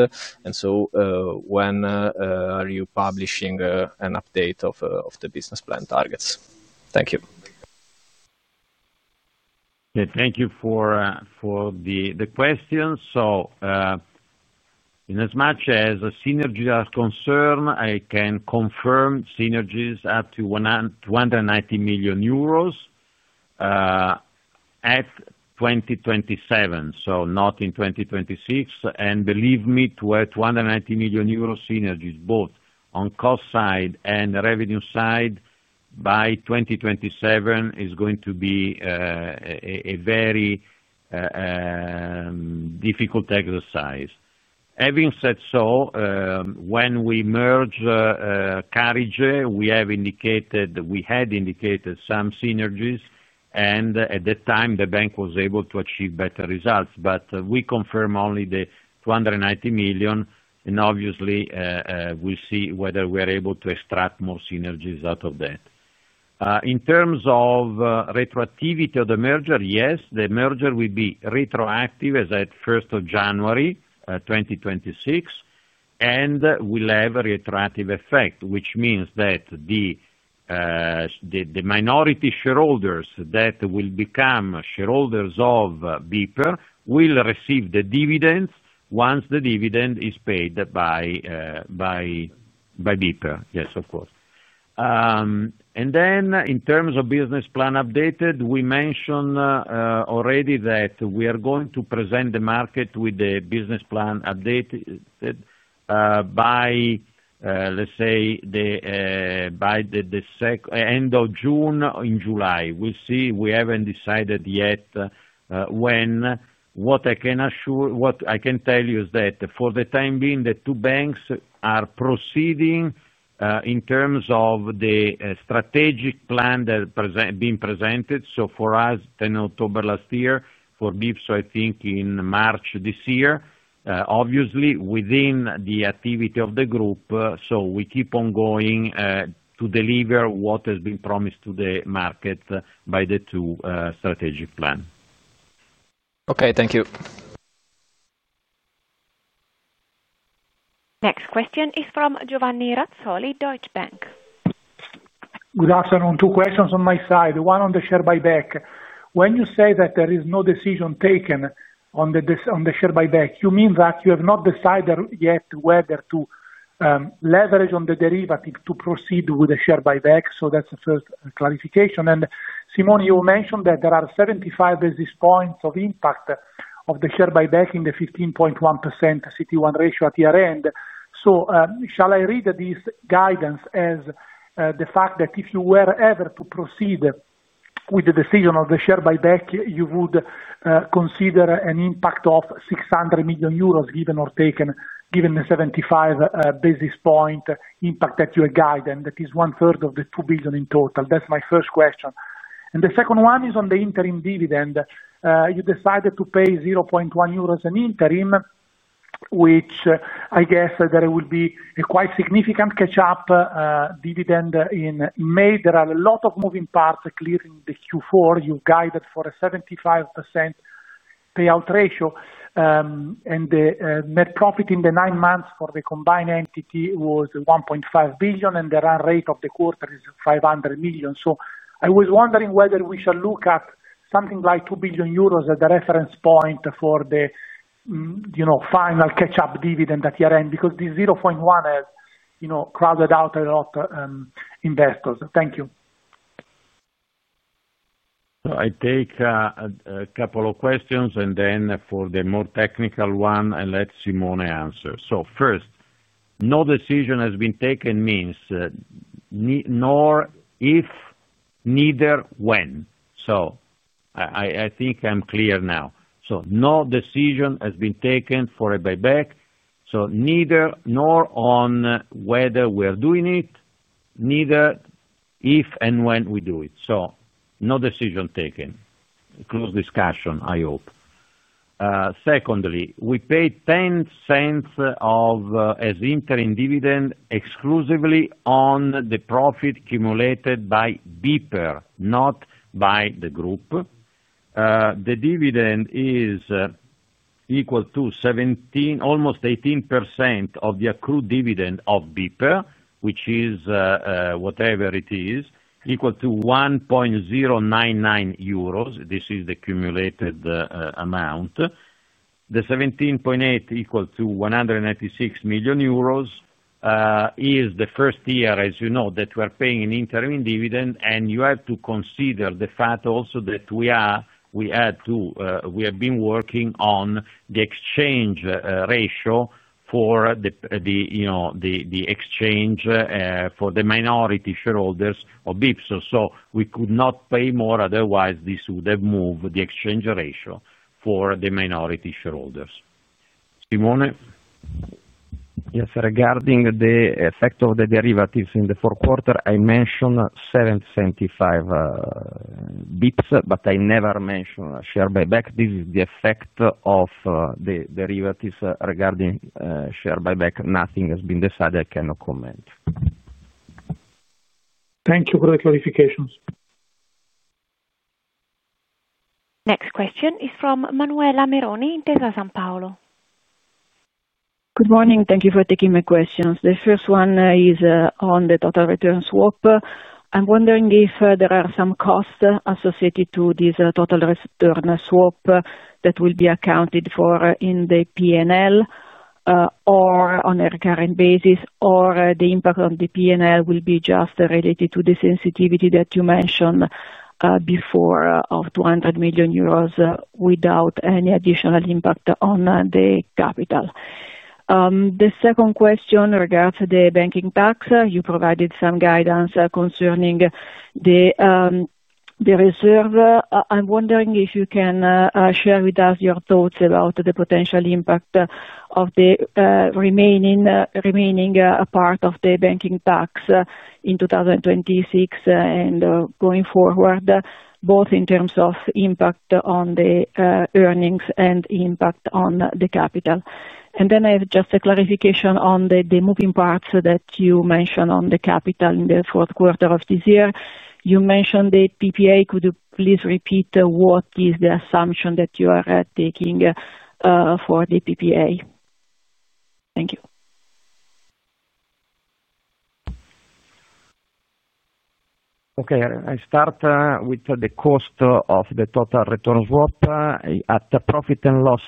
When are you publishing an update of the business plan targets? Thank you. Thank you for the questions. In as much as synergies are concerned, I can confirm synergies up to 290 million euros at 2027, so not in 2026. Believe me, to add 290 million euros synergies, both on cost side and revenue side by 2027 is going to be a very difficult exercise. Having said so, when we merged Carige, we had indicated some synergies and at that time the bank was able to achieve better results. We confirm only the 290 million and obviously we see whether we are able to extract more synergies out of that. In terms of retroactivity of the merger, yes, the merger will be retroactive as at 1st of January 2026 and will have a retroactive effect, which means that the minority shareholders that will become shareholders of BPER will receive the dividends once the dividend is paid by BPER. Yes, of course. In terms of business plan updated, we mentioned already that we are going to present the market with the business plan updated by, let's say, by the end of June, in July. We see we haven't decided yet when. What I can assure, what I can tell you is that for the time being the two banks are proceeding in terms of the strategic plan that being presented. For us, the 10th of October last year, for BPSO, I think in March this year, obviously within the activity of the group. We keep on going to deliver what has been promised to the market by the two strategic plan. Okay, thank you. Next question is from Giovanni Razzoli, Deutsche Bank. Good afternoon. Two questions on my side, one on the share buyback. When you say that there is no decision taken on the share buyback, you mean that you have not decided yet whether to leverage on the derivative to proceed with a share buyback. That is the first clarification. Simone, you mentioned that there are 75 basis points of impact of the share buyback in the 15.1% CET1 ratio at year end. Shall I read this guidance as the fact that if you were ever to proceed with the decision of the share buyback, you would consider an impact of 600 million euros, give or take. Given the 75 basis point impact at your guidance, that is one-third of the 2 billion in total. That is my first question. The second one is on the interim dividend. You decided to pay 0.1 euros an interim, which I guess there will be a quite significant catch up dividend in May. There are a lot of moving parts clear in the Q4. You guided for a 75% payout ratio and the net profit in the nine months for the combined entity was 1.5 billion and the run rate of the quarter is 500 million. I was wondering whether we shall look at something like 2 billion euros as the reference point for the final catch up dividend at year end because the 0.1 has crowded out a lot investors. Thank you. I take a couple of questions and then for the more technical one I let Simone answer. First, no decision has been taken means nor if, neither when. I think I'm clear now. No decision has been taken for a buyback. Neither on whether we are doing it, neither if and when we do it. No decision taken. Close discussion, I hope. Secondly, we paid 0.10 as interim dividend exclusively on the profit accumulated by BPER, not by the group. The dividend is equal to 17 almost 18% of the accrued dividend of BPER, which is whatever it is equal to 1.099 euros. This is the cumulated amount. The 17.8% equal to 196 million euros is the first year. As you know, we are paying an interim dividend and you have to consider the fact also that we are. We add to. We have been working on the exchange ratio for the exchange for the minority shareholders of BPSO. We could not pay more. Otherwise, this would have moved the exchange ratio for the minority shareholders. Simone? Yes. Regarding the effect of the derivatives in the fourth quarter, I mentioned 775 basis points, but I never mention share buyback. This is the effect of the derivatives. Regarding share buyback, nothing has been decided. I cannot comment. Thank you for the clarifications. Next question is from Manuela Meroni in Intesa Sanpaolo. Good morning. Thank you for taking my questions. The first one is on the total return swap. I'm wondering if there are some costs associated to this total return swap that will be accounted for in the P&L or on a recurring basis or the impact on the P&L will be just related to the sensitivity that you mentioned before of 200 million euros without any additional impact on the capital. The second question regards the banking tax. You provided some guidance concerning the reserve. I'm wondering if you can share with us your thoughts about the potential impact of the remaining part of the banking tax in 2026 and going forward both in terms of impact on the earnings and impact on the capital. I have just a clarification on the moving parts that you mentioned on the capital in the fourth quarter of this year. You mentioned the PPA. Could you please repeat what is the assumption that you are taking for the PPA? Thank you. Okay, I start with the cost of the total return swap at the profit and loss.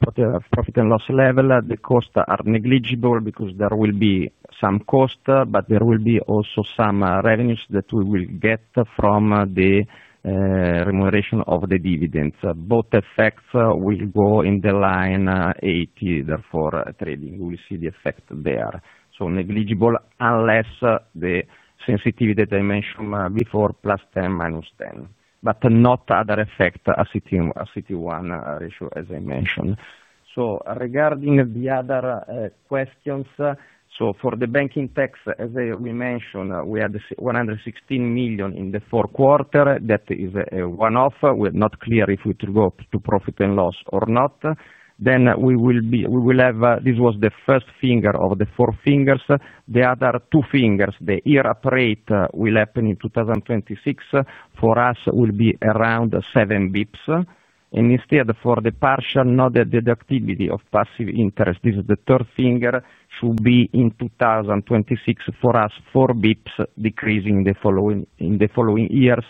Profit and loss level. The costs are negligible because there will be some cost but there will be also some revenues that we will get from the remuneration of the dividends. Both effects will go in the line 18. Therefore trading we will see the effect there, so negligible unless the sensitivity dimension before +10 -10 but not other effect. CET1 ratio as I mentioned. Regarding the other questions, for the banking tax as we mentioned we had 116 million in the fourth quarter. That is a one-off. We are not clear if we go to profit and loss or not. We will be. We will have. This was the first finger of the four fingers. The other two fingers. The year-up rate will happen in 2026 for us will be around 7 basis points. Instead, for the partial noted the deductivity of passive interest. This is the third finger, should be in 2026 for us 4 bps, decreasing in the following years.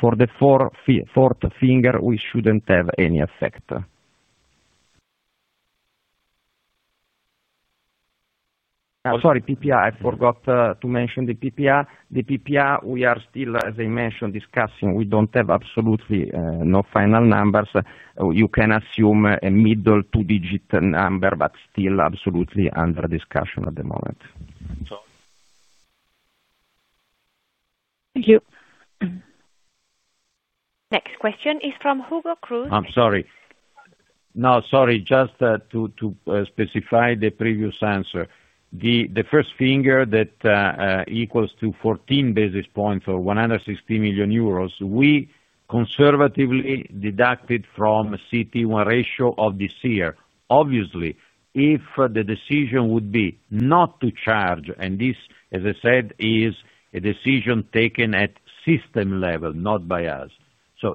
For the fourth finger, we should not have any effect. Sorry, PPI. I forgot to mention the PPA. The PPI we are still, as I mentioned, discussing, we do not have absolutely any final numbers. You can assume a middle two-digit number, but still absolutely under discussion at the moment. So. Thank you. Next question is from Hugo Cruz. I'm sorry, no, sorry, just to specify the previous answer. The first figure that equals to 14 basis points or 160 million euros we conservatively deducted from CET1 ratio of this year. Obviously if the decision would be not to charge. This, as I said, is a decision taken at system level, not by us.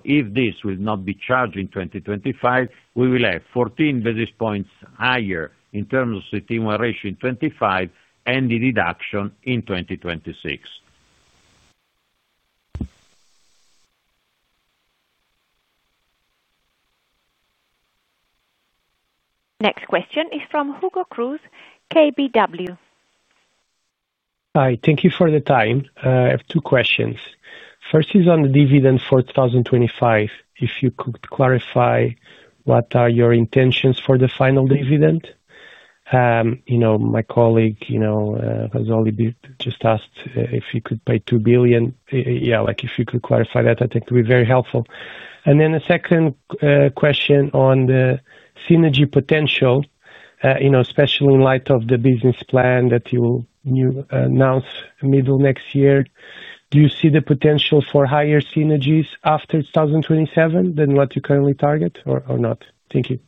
If this will not be charged in 2025, we will have 14 basis points higher in terms of the CET1 ratio in 2025 and the reduction in 2020. Next question is from Hugo Cruz, KBW. Hi, thank you for the time. I have two questions. First is on the dividend 2025. If you could clarify what are your intentions for the final dividend? You know, my colleague, you know, just asked if he could pay 2 billion. Yeah, like if you could clarify that, I think it would be very helpful. Then the second question on the synergy potential, you know, especially in light. Of the business plan that you will. Announce middle next year, do you see the potential for higher synergies after 2027? Than what you currently target or not? Thank you.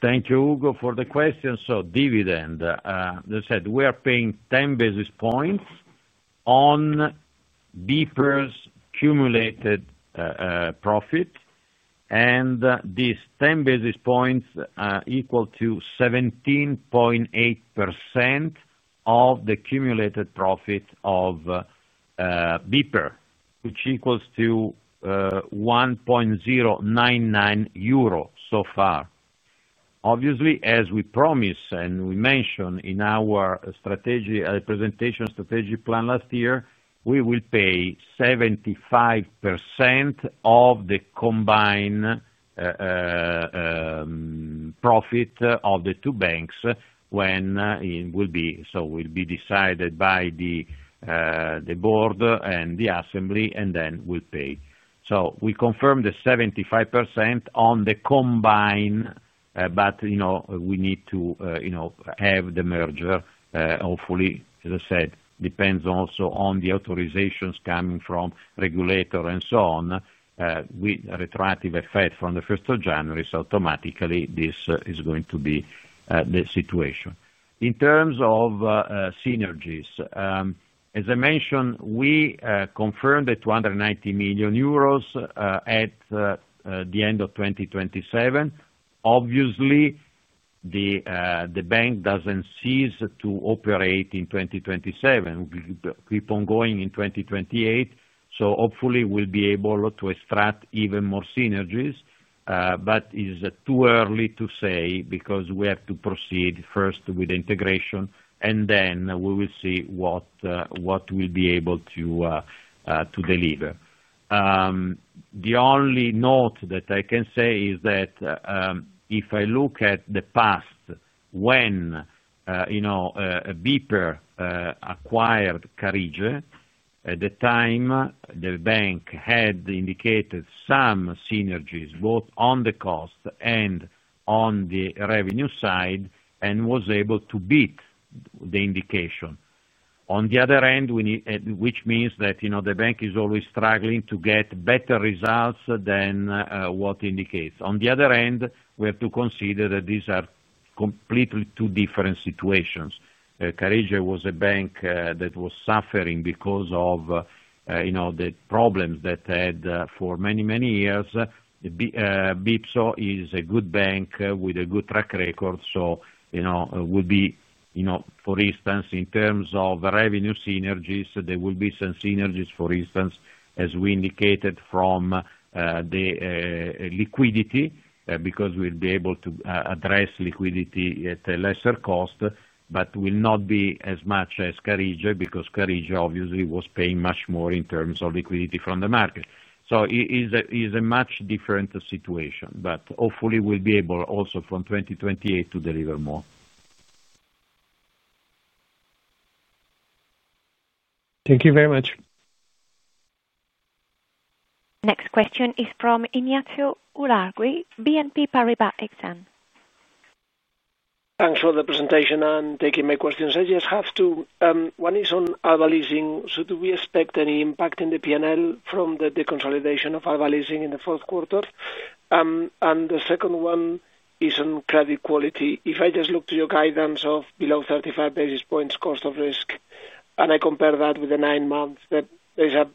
Thank you, Hugo, for the question. So dividend, they said we are paying 10 basis points on BPER's accumulated profit and these 10 basis points equal to 17.8% of the cumulated profit of BPER, which equals to 1.099 euro. So far. Obviously, as we promised and we mentioned in our strategy presentation, strategic plan last year, we will pay 75% of the combined profit of the two banks when it will be, so will be decided by the board and the assembly and then will pay. We confirmed the 75% on the combined, but you know, we need to, you know, have the merger. Hopefully, as I said, depends also on the authorizations coming from regulator and so on with retroactive effect from the 1st of January. Automatically, this is going to be the situation in terms of synergies. As I mentioned, we confirmed the 290 million euros at the end of 2027. Obviously the bank does not cease to operate in 2027, keep on going in 2028, so hopefully we will be able to extract even more synergies, but it is too early to say because we have to proceed first with integration and then we will see what we will be able to deliver. The only note that I can say is that if I look at the past, when, you know, BPER acquired Carige, at the time the bank had indicated some synergies both on the cost and on the revenue side, and was able to beat the indication on the other end, which means that, you know, the bank is always struggling to get better results than what indicates. On the other hand, we have to consider that these are completely two different situations. Carige was a bank that was suffering because of, you know, the problems that it had for many, many years. BPSO is a good bank with a good track record. So would be, for instance, in terms of revenue synergies. There will be some synergies, for instance, as we indicated, from the liquidity, because we'll be able to address liquidity at a lesser cost, but will not be as much as Carige, because Carige obviously was paying much more in terms of liquidity from the market. It is a much different situation. Hopefully we'll be able also from 2028 to deliver more. Thank you very much. Next question is from Ignacio Ulargui, BNP Paribas Exane. Thanks for the presentation and taking my questions. I just have two. One is on Alba Leasing. Do we expect any impact in the P&L from the consolidation of Alba Leasing in the fourth quarter? The second one is on credit quality. If I just look to your guidance of below 35 basis points cost of risk and I compare that with the nine months, there's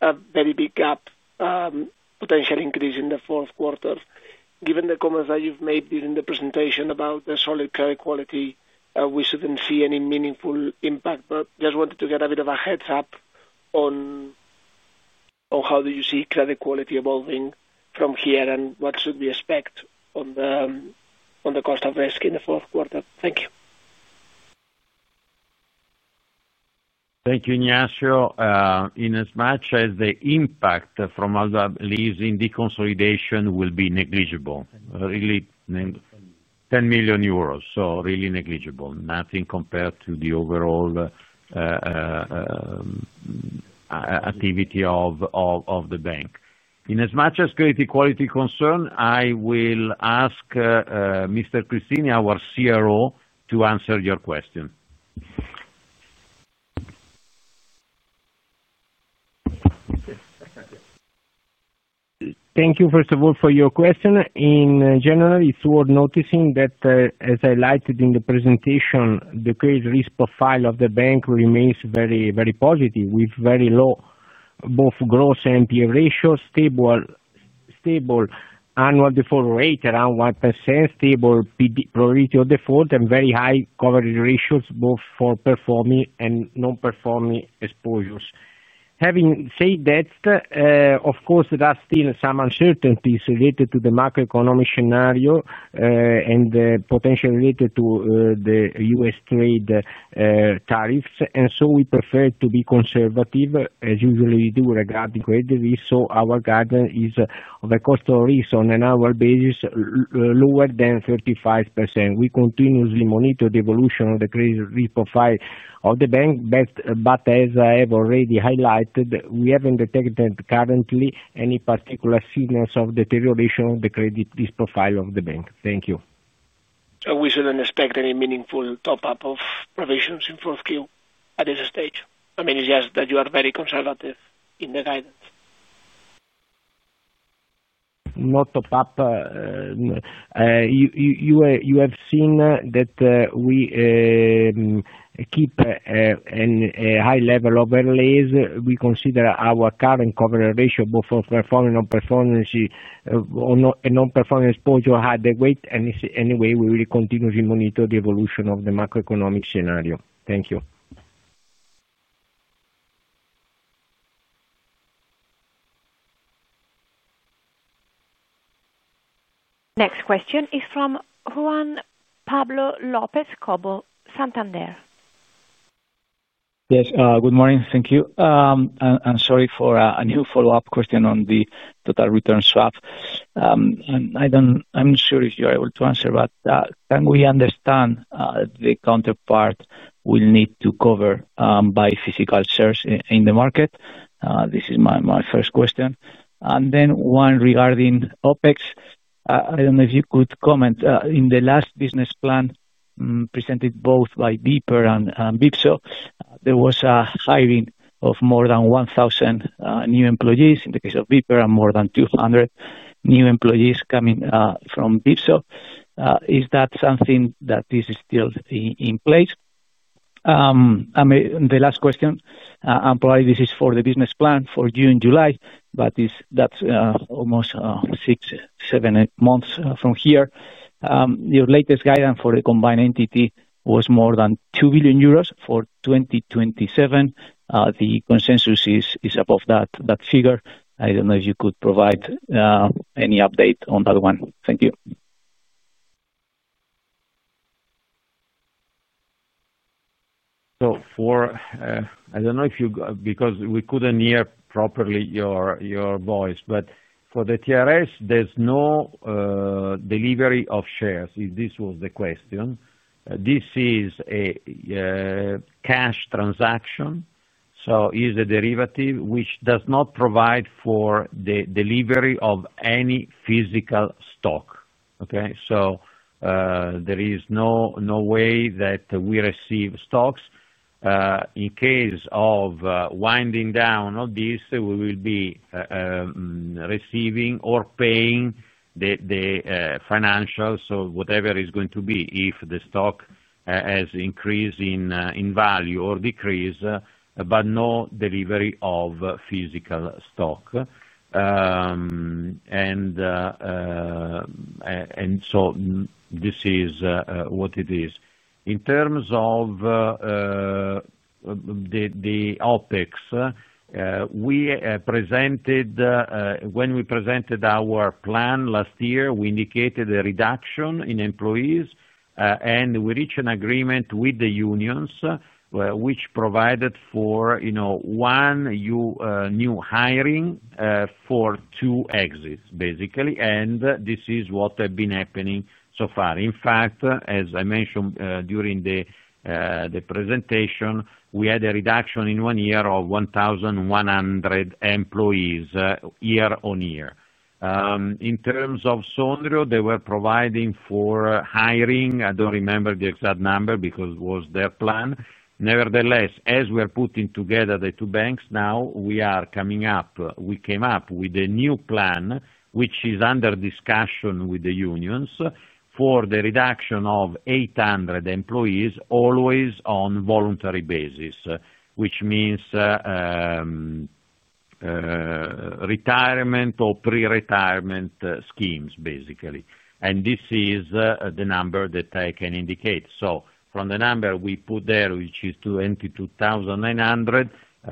a very big gap, potential increase in the fourth quarter. Given the comments that you've made during the presentation about the solid credit quality, we shouldn't see any meaningful impact. Just wanted to get a bit of a heads up on how you see credit quality evolving from here and what should we expect on the cost of risk in the fourth quarter? Thank you. Thank you, Ignacio. In as much as the impact from Alba Leasing deconsolidation will be negligible. Really 10 million euros. So really negligible. Nothing compared to the overall activity of the bank in as much as credit quality concern. I will ask Mr. Cristini, our CRO, to answer your question. Thank you first of all for your question. In general, it's worth noticing that as I highlighted in the presentation, the credit risk profile of the bank remains very. Very positive with very low both gross. NPE ratio, stable annual default rate around 1%, stable probability of default and very high coverage ratios both for performing and non-performing exposures. Having said that, of course there are still some uncertainties related to the macroeconomic scenario and the potential related to the U.S. trade tariffs. We prefer to be conservative, as usually we do regarding credit. Our guidance is of a cost of risk on an annual basis lower than 35%. We continuously monitor the evolution of the credit risk profile of the bank. As I have already highlighted, we have not detected currently any particular signals of deterioration of the credit risk profile of the bank. Thank you. We shouldn't expect any meaningful top up of provisions in 4Q at this stage. I mean, it's just that you are very conservative in the guidance. Not top up. You have seen that we keep a high level of early. We consider our current coverage ratio both of performing, non-performing, and non-performing exposure. Harder weight and anyway, we will continue to monitor the evolution of the macroeconomic scenario. Thank you. Next question is from Juan Pablo Lopez Cobo Santander. Yes. Good morning. Thank you. I'm sorry for a new follow-up. Question on the total return swap. I'm not sure if you're able to. Answer, can we understand the counterpart we'll need to cover by physical shares in the market? This is my first question, and then one regarding OpEx, I don't know if you could comment. In the last business plan presented both. By BPER and BPSO there was a hiring of more than 1,000 new employees in the case of BPER and more than 200 new employees coming from BPSO. Is that something that is still in place? The last question, probably this is for the business plan for June-July, but. That's almost six, seven, eight months from here. Your latest guidance for the combined entity. Was more than 2 billion euros for 2027. The consensus is above that figure. I don't know if you could provide any update on that one. Thank you. For the TRS, there's no delivery of shares if this was the question. This is a cash transaction. It is a derivative which does not provide for the delivery of any physical stock. There is no way that we receive stocks. In case of winding down of this, we will be receiving or paying the financials or whatever is going to be if the stock has increased in value or decreased, but no delivery of physical stock. This is what it is in terms of the OpEx we presented. When we presented our plan last year, we indicated a reduction in employees and we reached an agreement with the unions which provided for, you know, one new hiring for two exits. Basically. This is what has been happening so far. In fact, as I mentioned during the presentation, we had a reduction in one year of 1,100 employees year on year. In terms of Sondrio, they were providing for hiring. I do not remember the exact number because it was their plan. Nevertheless, as we are putting together the two banks now, we are coming up with. We came up with a new plan which is under discussion with the unions for the reduction of 800 employees, always on a voluntary basis, which means retirement or pre-retirement schemes. Basically. This is the number that I can indicate. From the number we put there, which is 22,900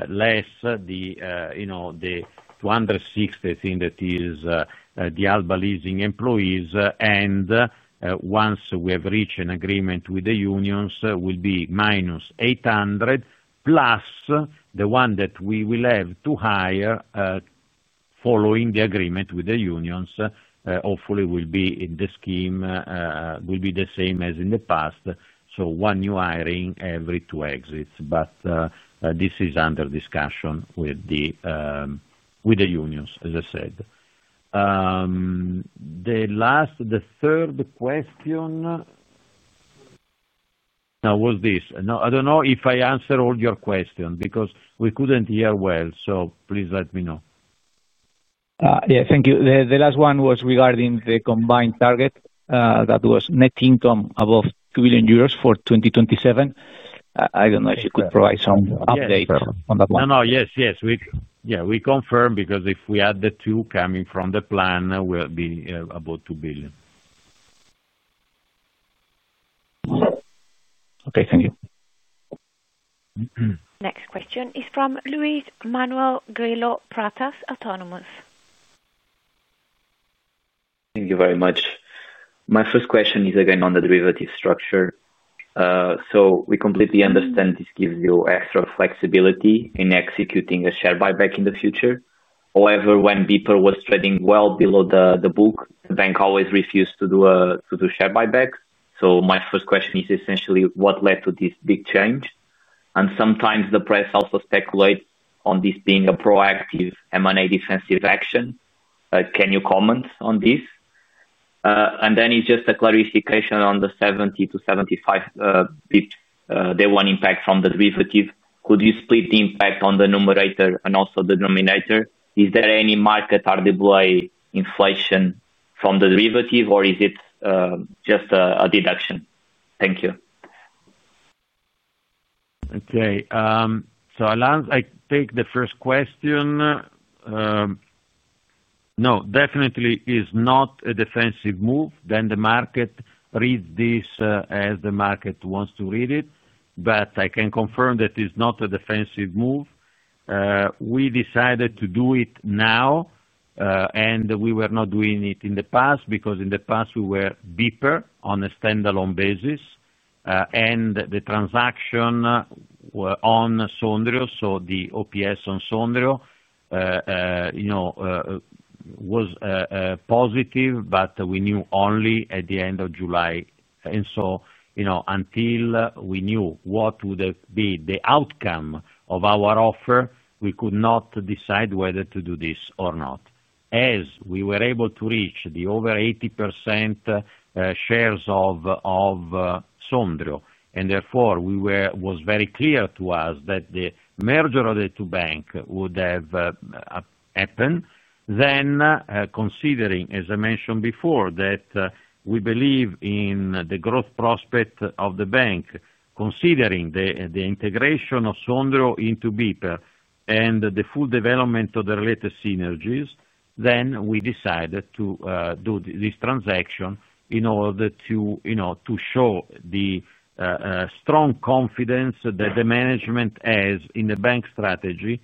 less the, you know, the 260 thing that is the Alba Leasing employees, and once we have reached an agreement with the unions, will be -800 plus the one that we will have to hire following the agreement with the unions. Hopefully will be in the scheme, will be the same as in the past, so one new hiring every two exits. This is under discussion with the unions. As I said, the last, the third question now was this. I do not know if I answered all your question because we could not hear well, so please let me know, yeah, thank you. The last one was regarding the combined target. That was net income above 2 billion euros for 2027. I do not know if you could provide some update on that one. No, no. Yes, yes. Yeah, we confirm. Because if we add the two coming from the plan will be about 2 billion. Okay, thank you. Next question is from Luis Manuel Grillo Pratas, Autonomous. Thank you very much. My first question is again on the derivative structure. We completely understand this gives you extra flexibility in executing a share buyback in the future. However, when BPER was trading well below the book, the bank always refused to do share buybacks. My first question is essentially what led to this big change? Sometimes the press also speculates on this being a proactive M and a defensive action. Can you comment on this? Then it is just a clarification on the 70-75 day one impact from the derivative. Could you split the impact on the numerator and also the denominator? Is there any market RWA inflation from the derivative or is it just a deduction? Thank you. Okay, so Alain, I take the first question. No, definitely is not a defensive move. The market reads this as the market wants to read it. I can confirm that it's not a defensive move. We decided to do it now and we were not doing it in the past because in the past we were doing deeper on a standalone basis and the transaction on Sondrio. The OPS on Sondrio, you know, was positive, but we knew only at the end of July. You know, until we knew what would be the outcome of our offer, we could not decide whether to do this or not, as we were able to reach the over 80% shares of Sondrio. Therefore, it was very clear to us that the merger of the two banks would have happened, considering, as I mentioned before, that we believe in the growth prospect of the bank considering the integration of Sondrio into BPER and the full development of the related synergies. We decided to do this transaction in order to show the strong confidence that the management has in the bank strategy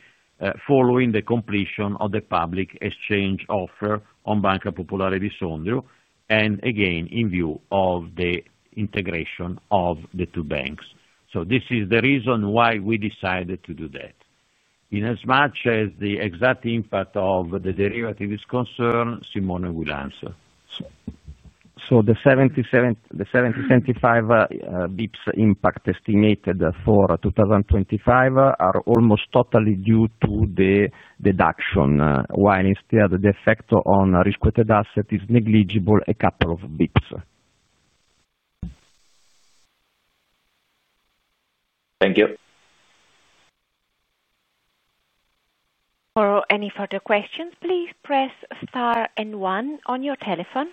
following the completion of the public exchange offer on Banca Popolare di Sondrio and again in view of the integration of the two banks. This is the reason why we decided to do that. In as much as the exact impact of the derivative is concerned, Simone will answer. The 70-75 bps` impact estimated for 2025 are almost totally due to the deduction, while instead the effect on risk-weighted assets is negligible. A couple of bits. Thank you. For any further questions, please press star N1 on your telephone.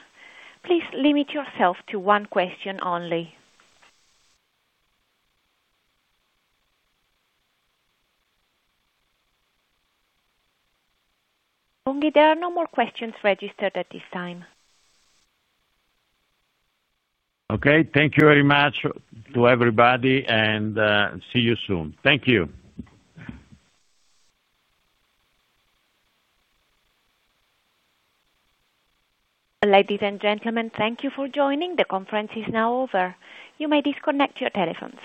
Please limit yourself to one question only. There are no more questions registered at this time. Okay, thank you very much to everybody and see you soon. Thank you. Ladies and gentlemen. Thank you for joining. The conference is now over. You may disconnect your telephones.